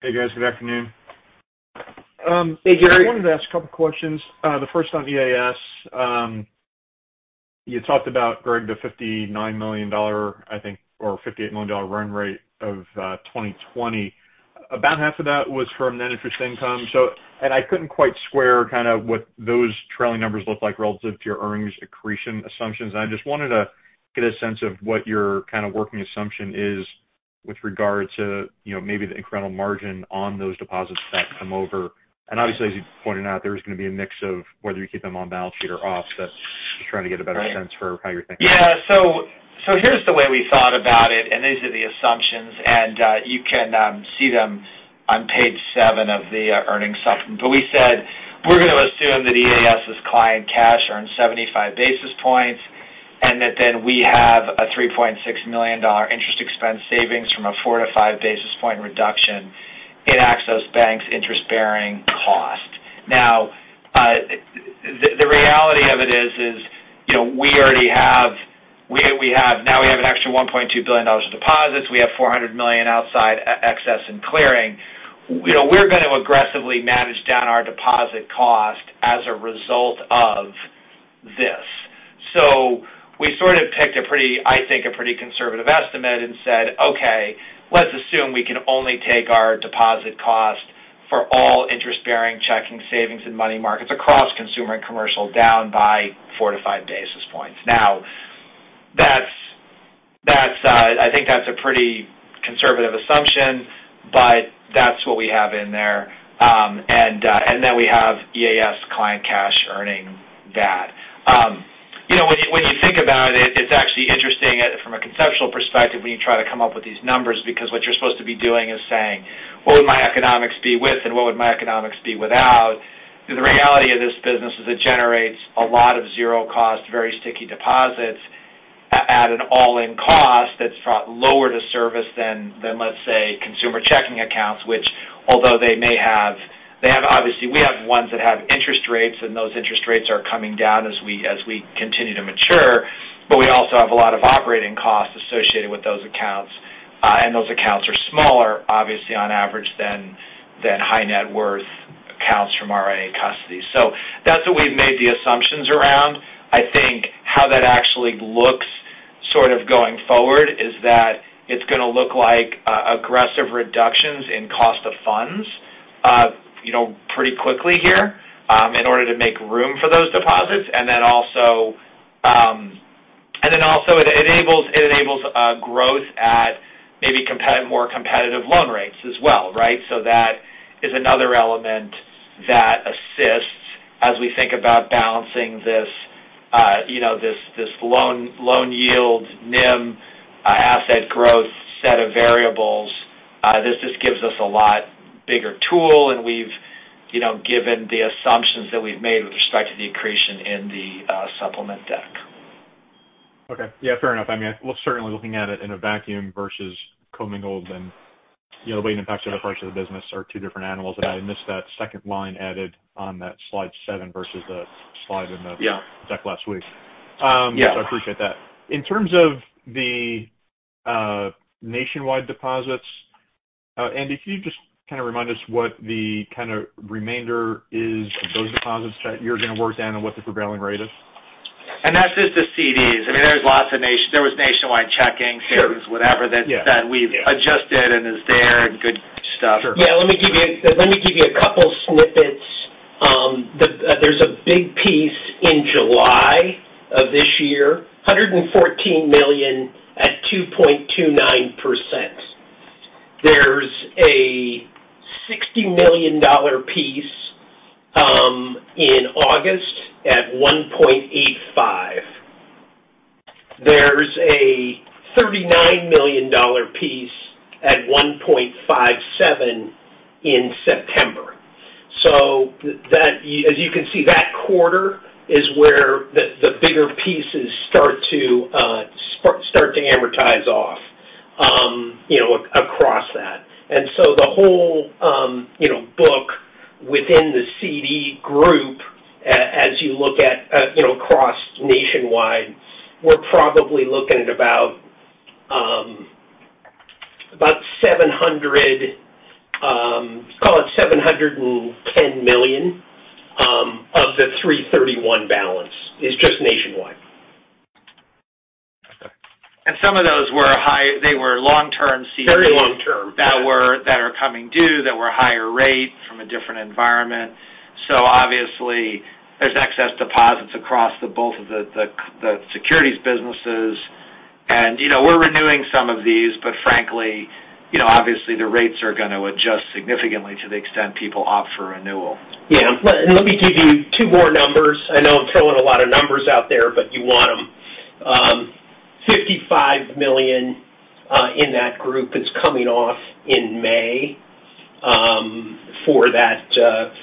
Hey, guys. Good afternoon. Hey, Gary. I wanted to ask a couple questions. The first on EAS. You talked about, Greg, the $59 million, I think, or $58 million run rate of 2020. About half of that was from net interest income. I couldn't quite square kind of what those trailing numbers look like relative to your earnings accretion assumptions. I just wanted to get a sense of what your kind of working assumption is with regard to maybe the incremental margin on those deposits that come over. Obviously, as you pointed out, there is going to be a mix of whether you keep them on balance sheet or off, but just trying to get a better sense for how you're thinking. Here's the way we thought about it, and these are the assumptions, and you can see them on page seven of the earnings supplement. We said we're going to assume that EAS's client cash earned 75 basis points and that then we have a $3.6 million interest expense savings from a four-five basis point reduction in Axos Bank's interest-bearing cost. The reality of it is we have now an extra $1.2 billion of deposits. We have $400 million outside excess in clearing. We're going to aggressively manage down our deposit cost as a result of this. We sort of picked, I think, a pretty conservative estimate and said, okay, let's assume we can only take our deposit cost for all interest-bearing checking, savings, and money markets across consumer and commercial down by four-five basis points. I think that's a pretty conservative assumption, but that's what we have in there. We have EAS client cash earning that. When you think about it's actually interesting from a conceptual perspective when you try to come up with these numbers because what you're supposed to be doing is saying, what would my economics be with and what would my economics be without? The reality of this business is it generates a lot of zero-cost, very sticky deposits at an all-in cost that's lower to service than, let's say, consumer checking accounts, which although they may have, obviously, we have ones that have interest rates, and those interest rates are coming down as we continue to mature. We also have a lot of operating costs associated with those accounts. Those accounts are smaller, obviously, on average than high net worth accounts from RIA custody. That's what we've made the assumptions around. I think how that actually looks sort of going forward is that it's going to look like aggressive reductions in cost of funds pretty quickly here in order to make room for those deposits. Then also, it enables growth at maybe more competitive loan rates as well. That is another element that assists as we think about balancing this loan yield NIM asset growth set of variables. This just gives us a lot bigger tool, and we've given the assumptions that we've made with respect to the accretion in the supplement deck. Okay. Yeah, fair enough. I mean, certainly looking at it in a vacuum versus commingled and the way it impacts other parts of the business are two different animals. I missed that second line added on that slide seven versus the slide. Yeah deck last week. Yeah. I appreciate that. In terms of the Nationwide deposits, Andy, can you just kind of remind us what the kind of remainder is of those deposits that you're going to work down and what the prevailing rate is? That's just the CDs. I mean, there was nationwide checking- Sure savings, whatever that we've adjusted and is there and good stuff. Sure. Yeah, let me give you a couple snippets. There's a big piece in July of this year, $114 million at 2.29%. There's a $60 million piece in August at 1.85%. A $39 million piece at 1.57% in September. As you can see, that quarter is where the bigger pieces start to amortize off across that. The whole book within the CD group, as you look at across Nationwide, we're probably looking at about call it $710 million of the $331 balance is just Nationwide. Some of those were long-term CDs. Very long-term that are coming due, that were higher rate from a different environment. Obviously, there's excess deposits across both of the securities businesses. We're renewing some of these, but frankly, obviously, the rates are going to adjust significantly to the extent people opt for renewal. Yeah. Let me give you two more numbers. I know I'm throwing a lot of numbers out there, but you want them. 55 million in that group is coming off in May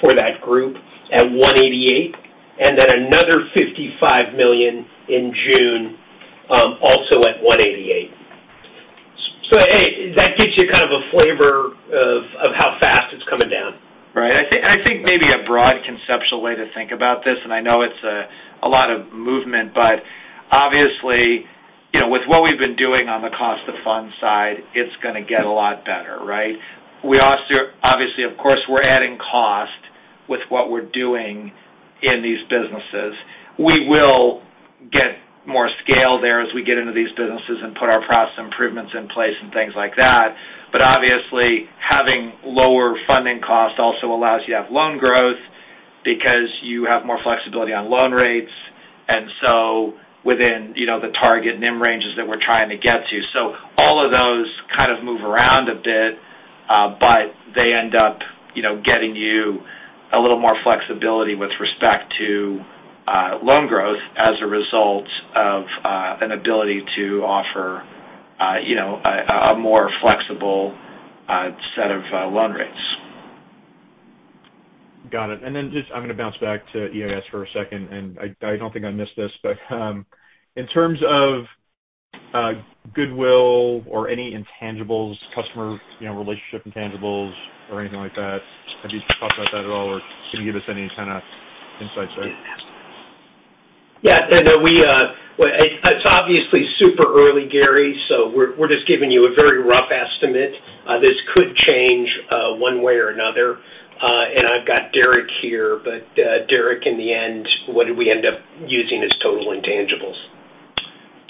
for that group at 188, and then another 55 million in June, also at 188. Hey, that gives you kind of a flavor of how fast it's coming down. Right. I think maybe a broad conceptual way to think about this, and I know it's a lot of movement, but obviously, with what we've been doing on the cost of funds side, it's going to get a lot better, right? Obviously, of course, we're adding cost with what we're doing in these businesses. We will get more scale there as we get into these businesses and put our process improvements in place and things like that. Obviously, having lower funding costs also allows you to have loan growth because you have more flexibility on loan rates. Within the target NIM ranges that we're trying to get to. All of those kind of move around a bit, but they end up getting you a little more flexibility with respect to loan growth as a result of an ability to offer a more flexible set of loan rates. Got it. Then I'm going to bounce back to EAS for a second, and I don't think I missed this, but in terms of goodwill or any intangibles, customer relationship intangibles or anything like that, have you talked about that at all, or can you give us any kind of insights there? Yeah. It's obviously super early, Gary, so we're just giving you a very rough estimate. This could change one way or another. I've got Derrick here, but Derrick, in the end, what did we end up using as total intangibles?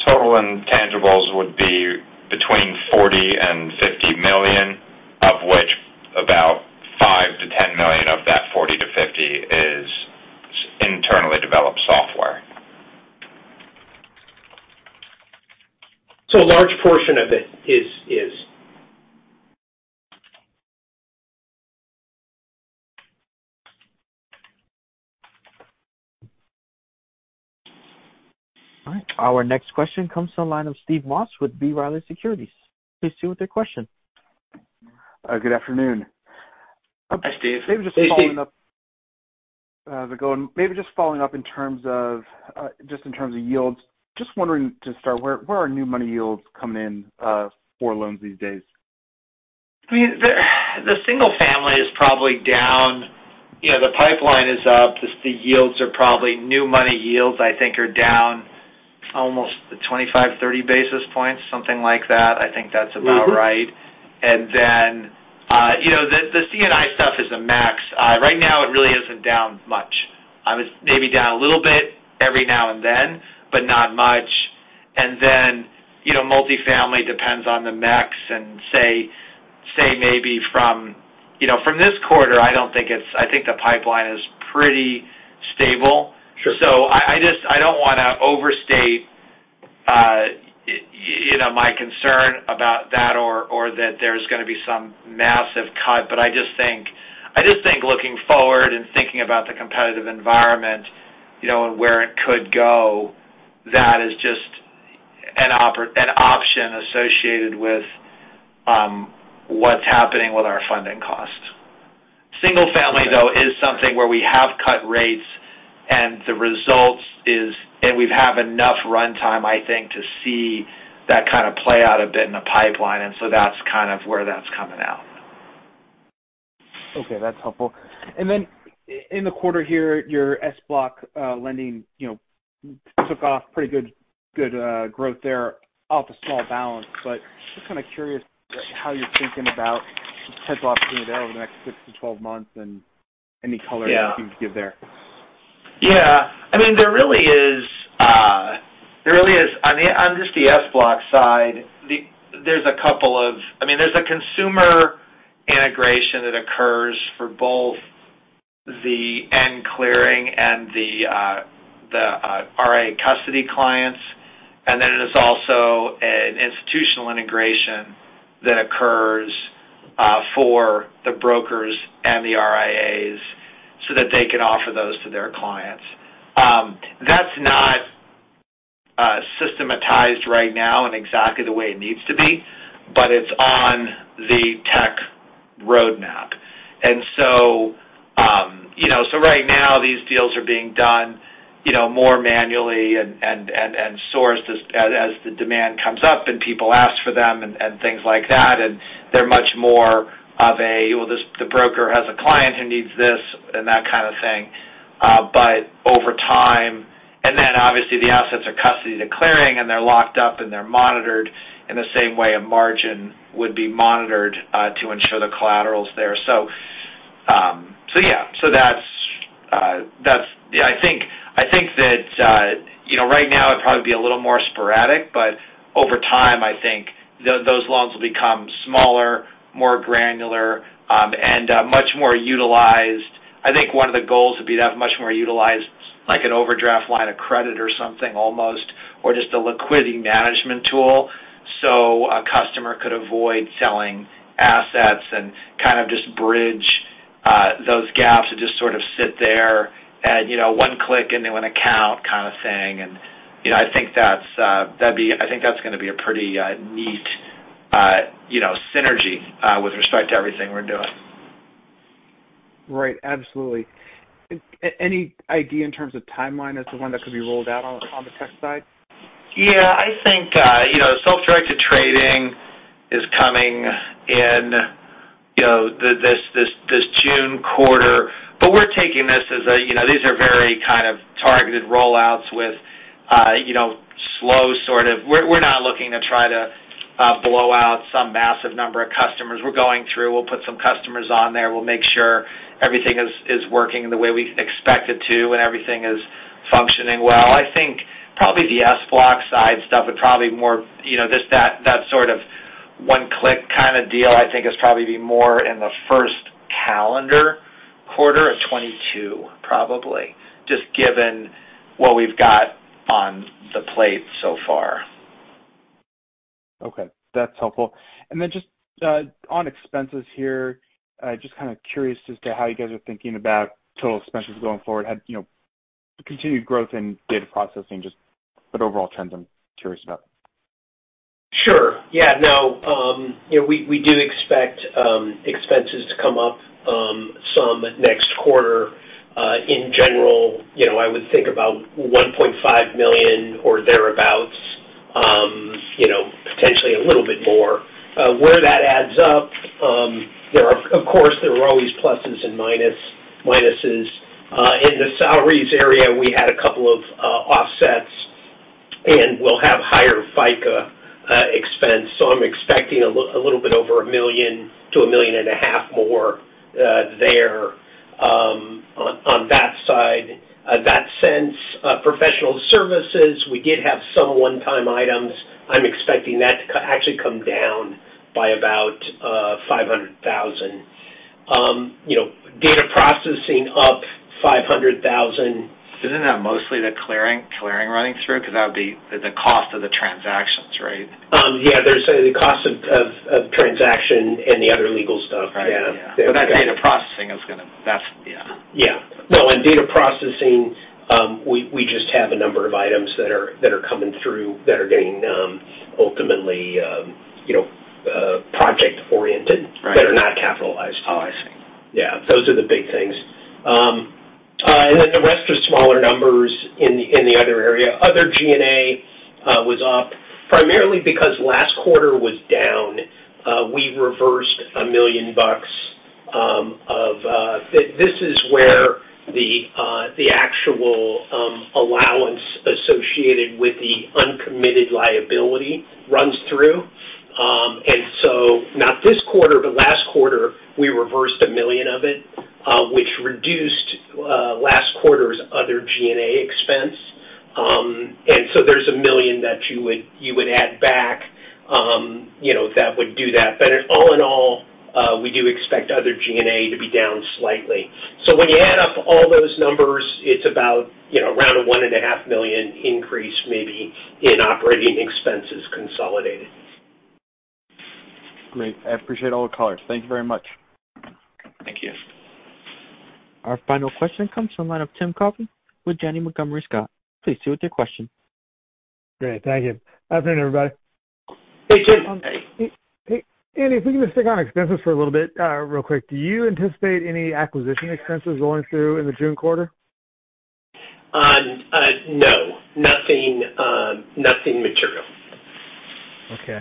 Total intangibles would be between $40 million and $50 million, of which about $5 million-$10 million of that $40-$50 is internally developed software. A large portion of it is. All right. Our next question comes to the line of Steve Moss with B. Riley Securities. Please go with your question. Good afternoon. Hi, Steve. Hey, Steve. How's it going? Maybe just following up in terms of yields. Just wondering to start, where are new money yields coming in for loans these days? The single family is probably down. The pipeline is up. The yields are new money yields, I think are down almost 25, 30 basis points, something like that. I think that's about right. The C&I stuff is a max. Right now, it really isn't down much. Maybe down a little bit every now and then, but not much. Multifamily depends on the max and say maybe from this quarter, I think the pipeline is pretty stable. Sure. I don't want to overstate my concern about that or that there's going to be some massive cut. I just think looking forward and thinking about the competitive environment, and where it could go, that is just an option associated with what's happening with our funding costs. Single family, though. Right is something where we have cut rates, and we've had enough runtime, I think, to see that kind of play out a bit in the pipeline. That's kind of where that's coming out. Okay, that's helpful. Then in the quarter here, your SBLOC lending took off pretty good growth there off a small balance. Just kind of curious how you're thinking about potential opportunity there over the next 6-12 months and any color? Yeah you can give there. Yeah. There really is on just the SBLOC side, there's a consumer integration that occurs for both the clearing and the RIA custody clients. Then there's also an institutional integration that occurs for the brokers and the RIAs so that they can offer those to their clients. That's not systematized right now in exactly the way it needs to be, but it's on the tech roadmap. Right now, these deals are being done more manually and sourced as the demand comes up and people ask for them and things like that, and they're much more of a, well, the broker has a client who needs this and that kind of thing. Over time, and then obviously the assets are custody to clearing, and they're locked up and they're monitored in the same way a margin would be monitored to ensure the collateral's there. Yeah. I think that right now it'd probably be a little more sporadic, but over time, I think those loans will become smaller, more granular, and much more utilized. I think one of the goals would be to have much more utilized, like an overdraft line of credit or something almost, or just a liquidity management tool, so a customer could avoid selling assets and kind of just bridge those gaps that just sort of sit there and one click and they want to count kind of thing. I think that's going to be a pretty neat synergy with respect to everything we're doing. Right. Absolutely. Any idea in terms of timeline as to when that could be rolled out on the tech side? Yeah. I think self-directed trading is coming in this June quarter. We're taking this as a, these are very kind of targeted roll-outs. We're not looking to try to blow out some massive number of customers. We're going through, we'll put some customers on there, we'll make sure everything is working the way we expect it to and everything is functioning well. I think probably the SBLOC side stuff would probably more, that sort of one-click kind of deal, I think, is probably be more in the first calendar quarter of 2022, probably, just given what we've got on the plate so far. Okay. That's helpful. Just on expenses here, just kind of curious as to how you guys are thinking about total expenses going forward. Continued growth in data processing, just overall trends I'm curious about. Sure. Yeah. We do expect expenses to come up some next quarter. In general, I would think about $1.5 million or thereabouts, potentially a little bit more. Where that adds up, of course, there are always pluses and minuses. In the salaries area, we had a couple of offsets, and we'll have higher FICA expense, so I'm expecting a little bit over $1 million - $1.5 million more there, on that side. That sense, professional services, we did have some one-time items. I'm expecting that to actually come down by about $500,000. Data processing up $500,000. Isn't that mostly the clearing running through? That would be the cost of the transactions, right? There's the cost of transaction and the other legal stuff. Yeah. Right. Yeah. That data processing is going to. Yeah. No, on data processing, we just have a number of items that are coming through that are getting ultimately project-oriented. Right, that are not capitalized. Oh, I see. Yeah. Those are the big things. The rest are smaller numbers in the other area. Other G&A was up primarily because last quarter was down. We reversed $1 million of this is where the actual allowance associated with the uncommitted liability runs through. Not this quarter, but last quarter, we reversed $1 million of it, which reduced last quarter's other G&A expense. There's $1 million that you would add back, that would do that. All in all, we do expect other G&A to be down slightly. When you add up all those numbers, it's about around a $1.5 million increase maybe in operating expenses consolidated. Great. I appreciate all the colors. Thank you very much. Thank you. Our final question comes from line of Timothy Coffey with Janney Montgomery Scott. Please proceed with your question. Great. Thank you. Afternoon, everybody. Hey, Timothy. Hey. Hey, Andy, if we can just stick on expenses for a little bit, real quick, do you anticipate any acquisition expenses going through in the June quarter? No. Nothing material. Okay.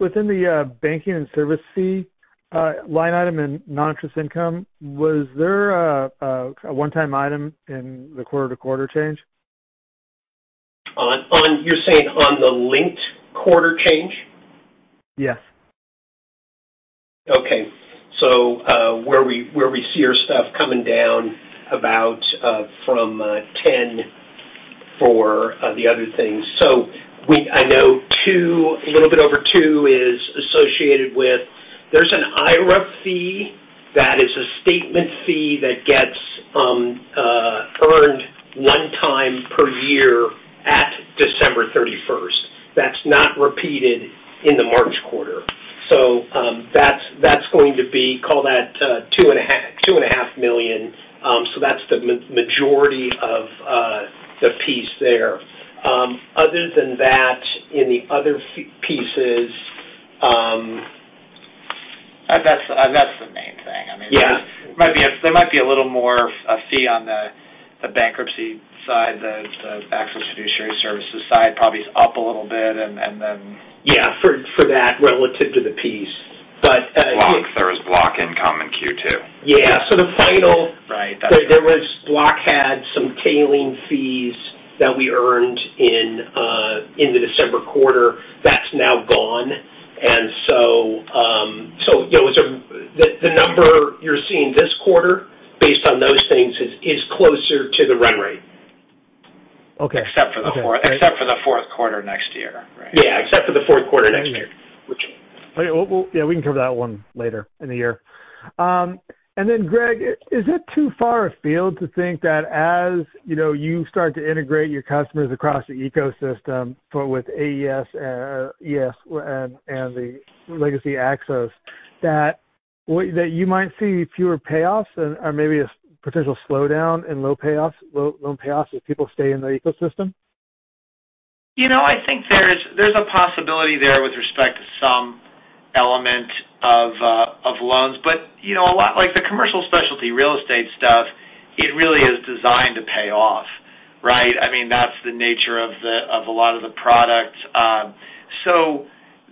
Within the banking and service fee line item and non-interest income, was there a one-time item in the quarter-to-quarter change? You're saying on the linked quarter change? Yes. Okay. Where we see our stuff coming down about from 10 for the other things. I know a little bit over two is associated with there's an IRA fee that is a statement fee that gets earned at December 31st. That's not repeated in the March quarter. That's going to be, call that, two and a half million. That's the majority of the piece there. Other than that, in the other pieces. That's the main thing. Yeah. There might be a little more a fee on the bankruptcy side, the Axos Fiduciary Services side probably is up a little bit. Yeah, for that relative to the piece. Block. There was Block income in Q2. Yeah. Right. Block had some tailing fees that we earned in the December quarter. That's now gone. The number you're seeing this quarter, based on those things, is closer to the run rate. Okay. Except for the Q4 next year, right? Yeah, except for the Q4 next year. Yeah, we can cover that one later in the year. Greg, is it too far afield to think that as you start to integrate your customers across the ecosystem with EAS and the legacy Axos, that you might see fewer payoffs or maybe a potential slowdown in loan payoffs if people stay in their ecosystem? I think there's a possibility there with respect to some element of loans. A lot like the commercial specialty real estate stuff, it really is designed to pay off, right? That's the nature of a lot of the products.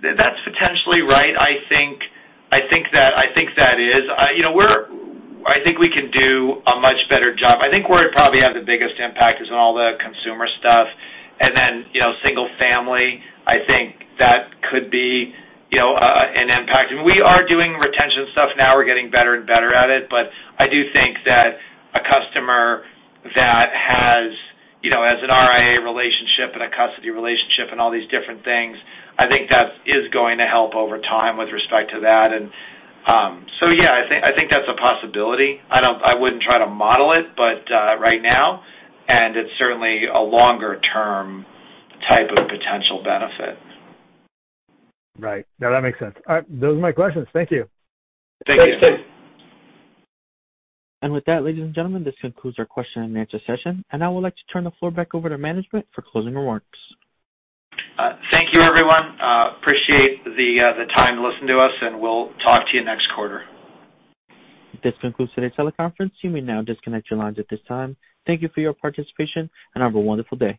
That's potentially right. I think we can do a much better job. I think where we probably have the biggest impact is in all the consumer stuff. Single family, I think that could be an impact. We are doing retention stuff now. We're getting better and better at it. I do think that a customer that has an RIA relationship and a custody relationship and all these different things, I think that is going to help over time with respect to that. Yeah, I think that's a possibility. I wouldn't try to model it right now, and it's certainly a longer-term type of potential benefit. Right. No, that makes sense. All right. Those are my questions. Thank you. Thank you. Thanks. With that, ladies and gentlemen, this concludes our question and answer session, and I would like to turn the floor back over to management for closing remarks. Thank you, everyone. Appreciate the time to listen to us, and we'll talk to you next quarter. This concludes today's teleconference. You may now disconnect your lines at this time. Thank you for your participation, and have a wonderful day.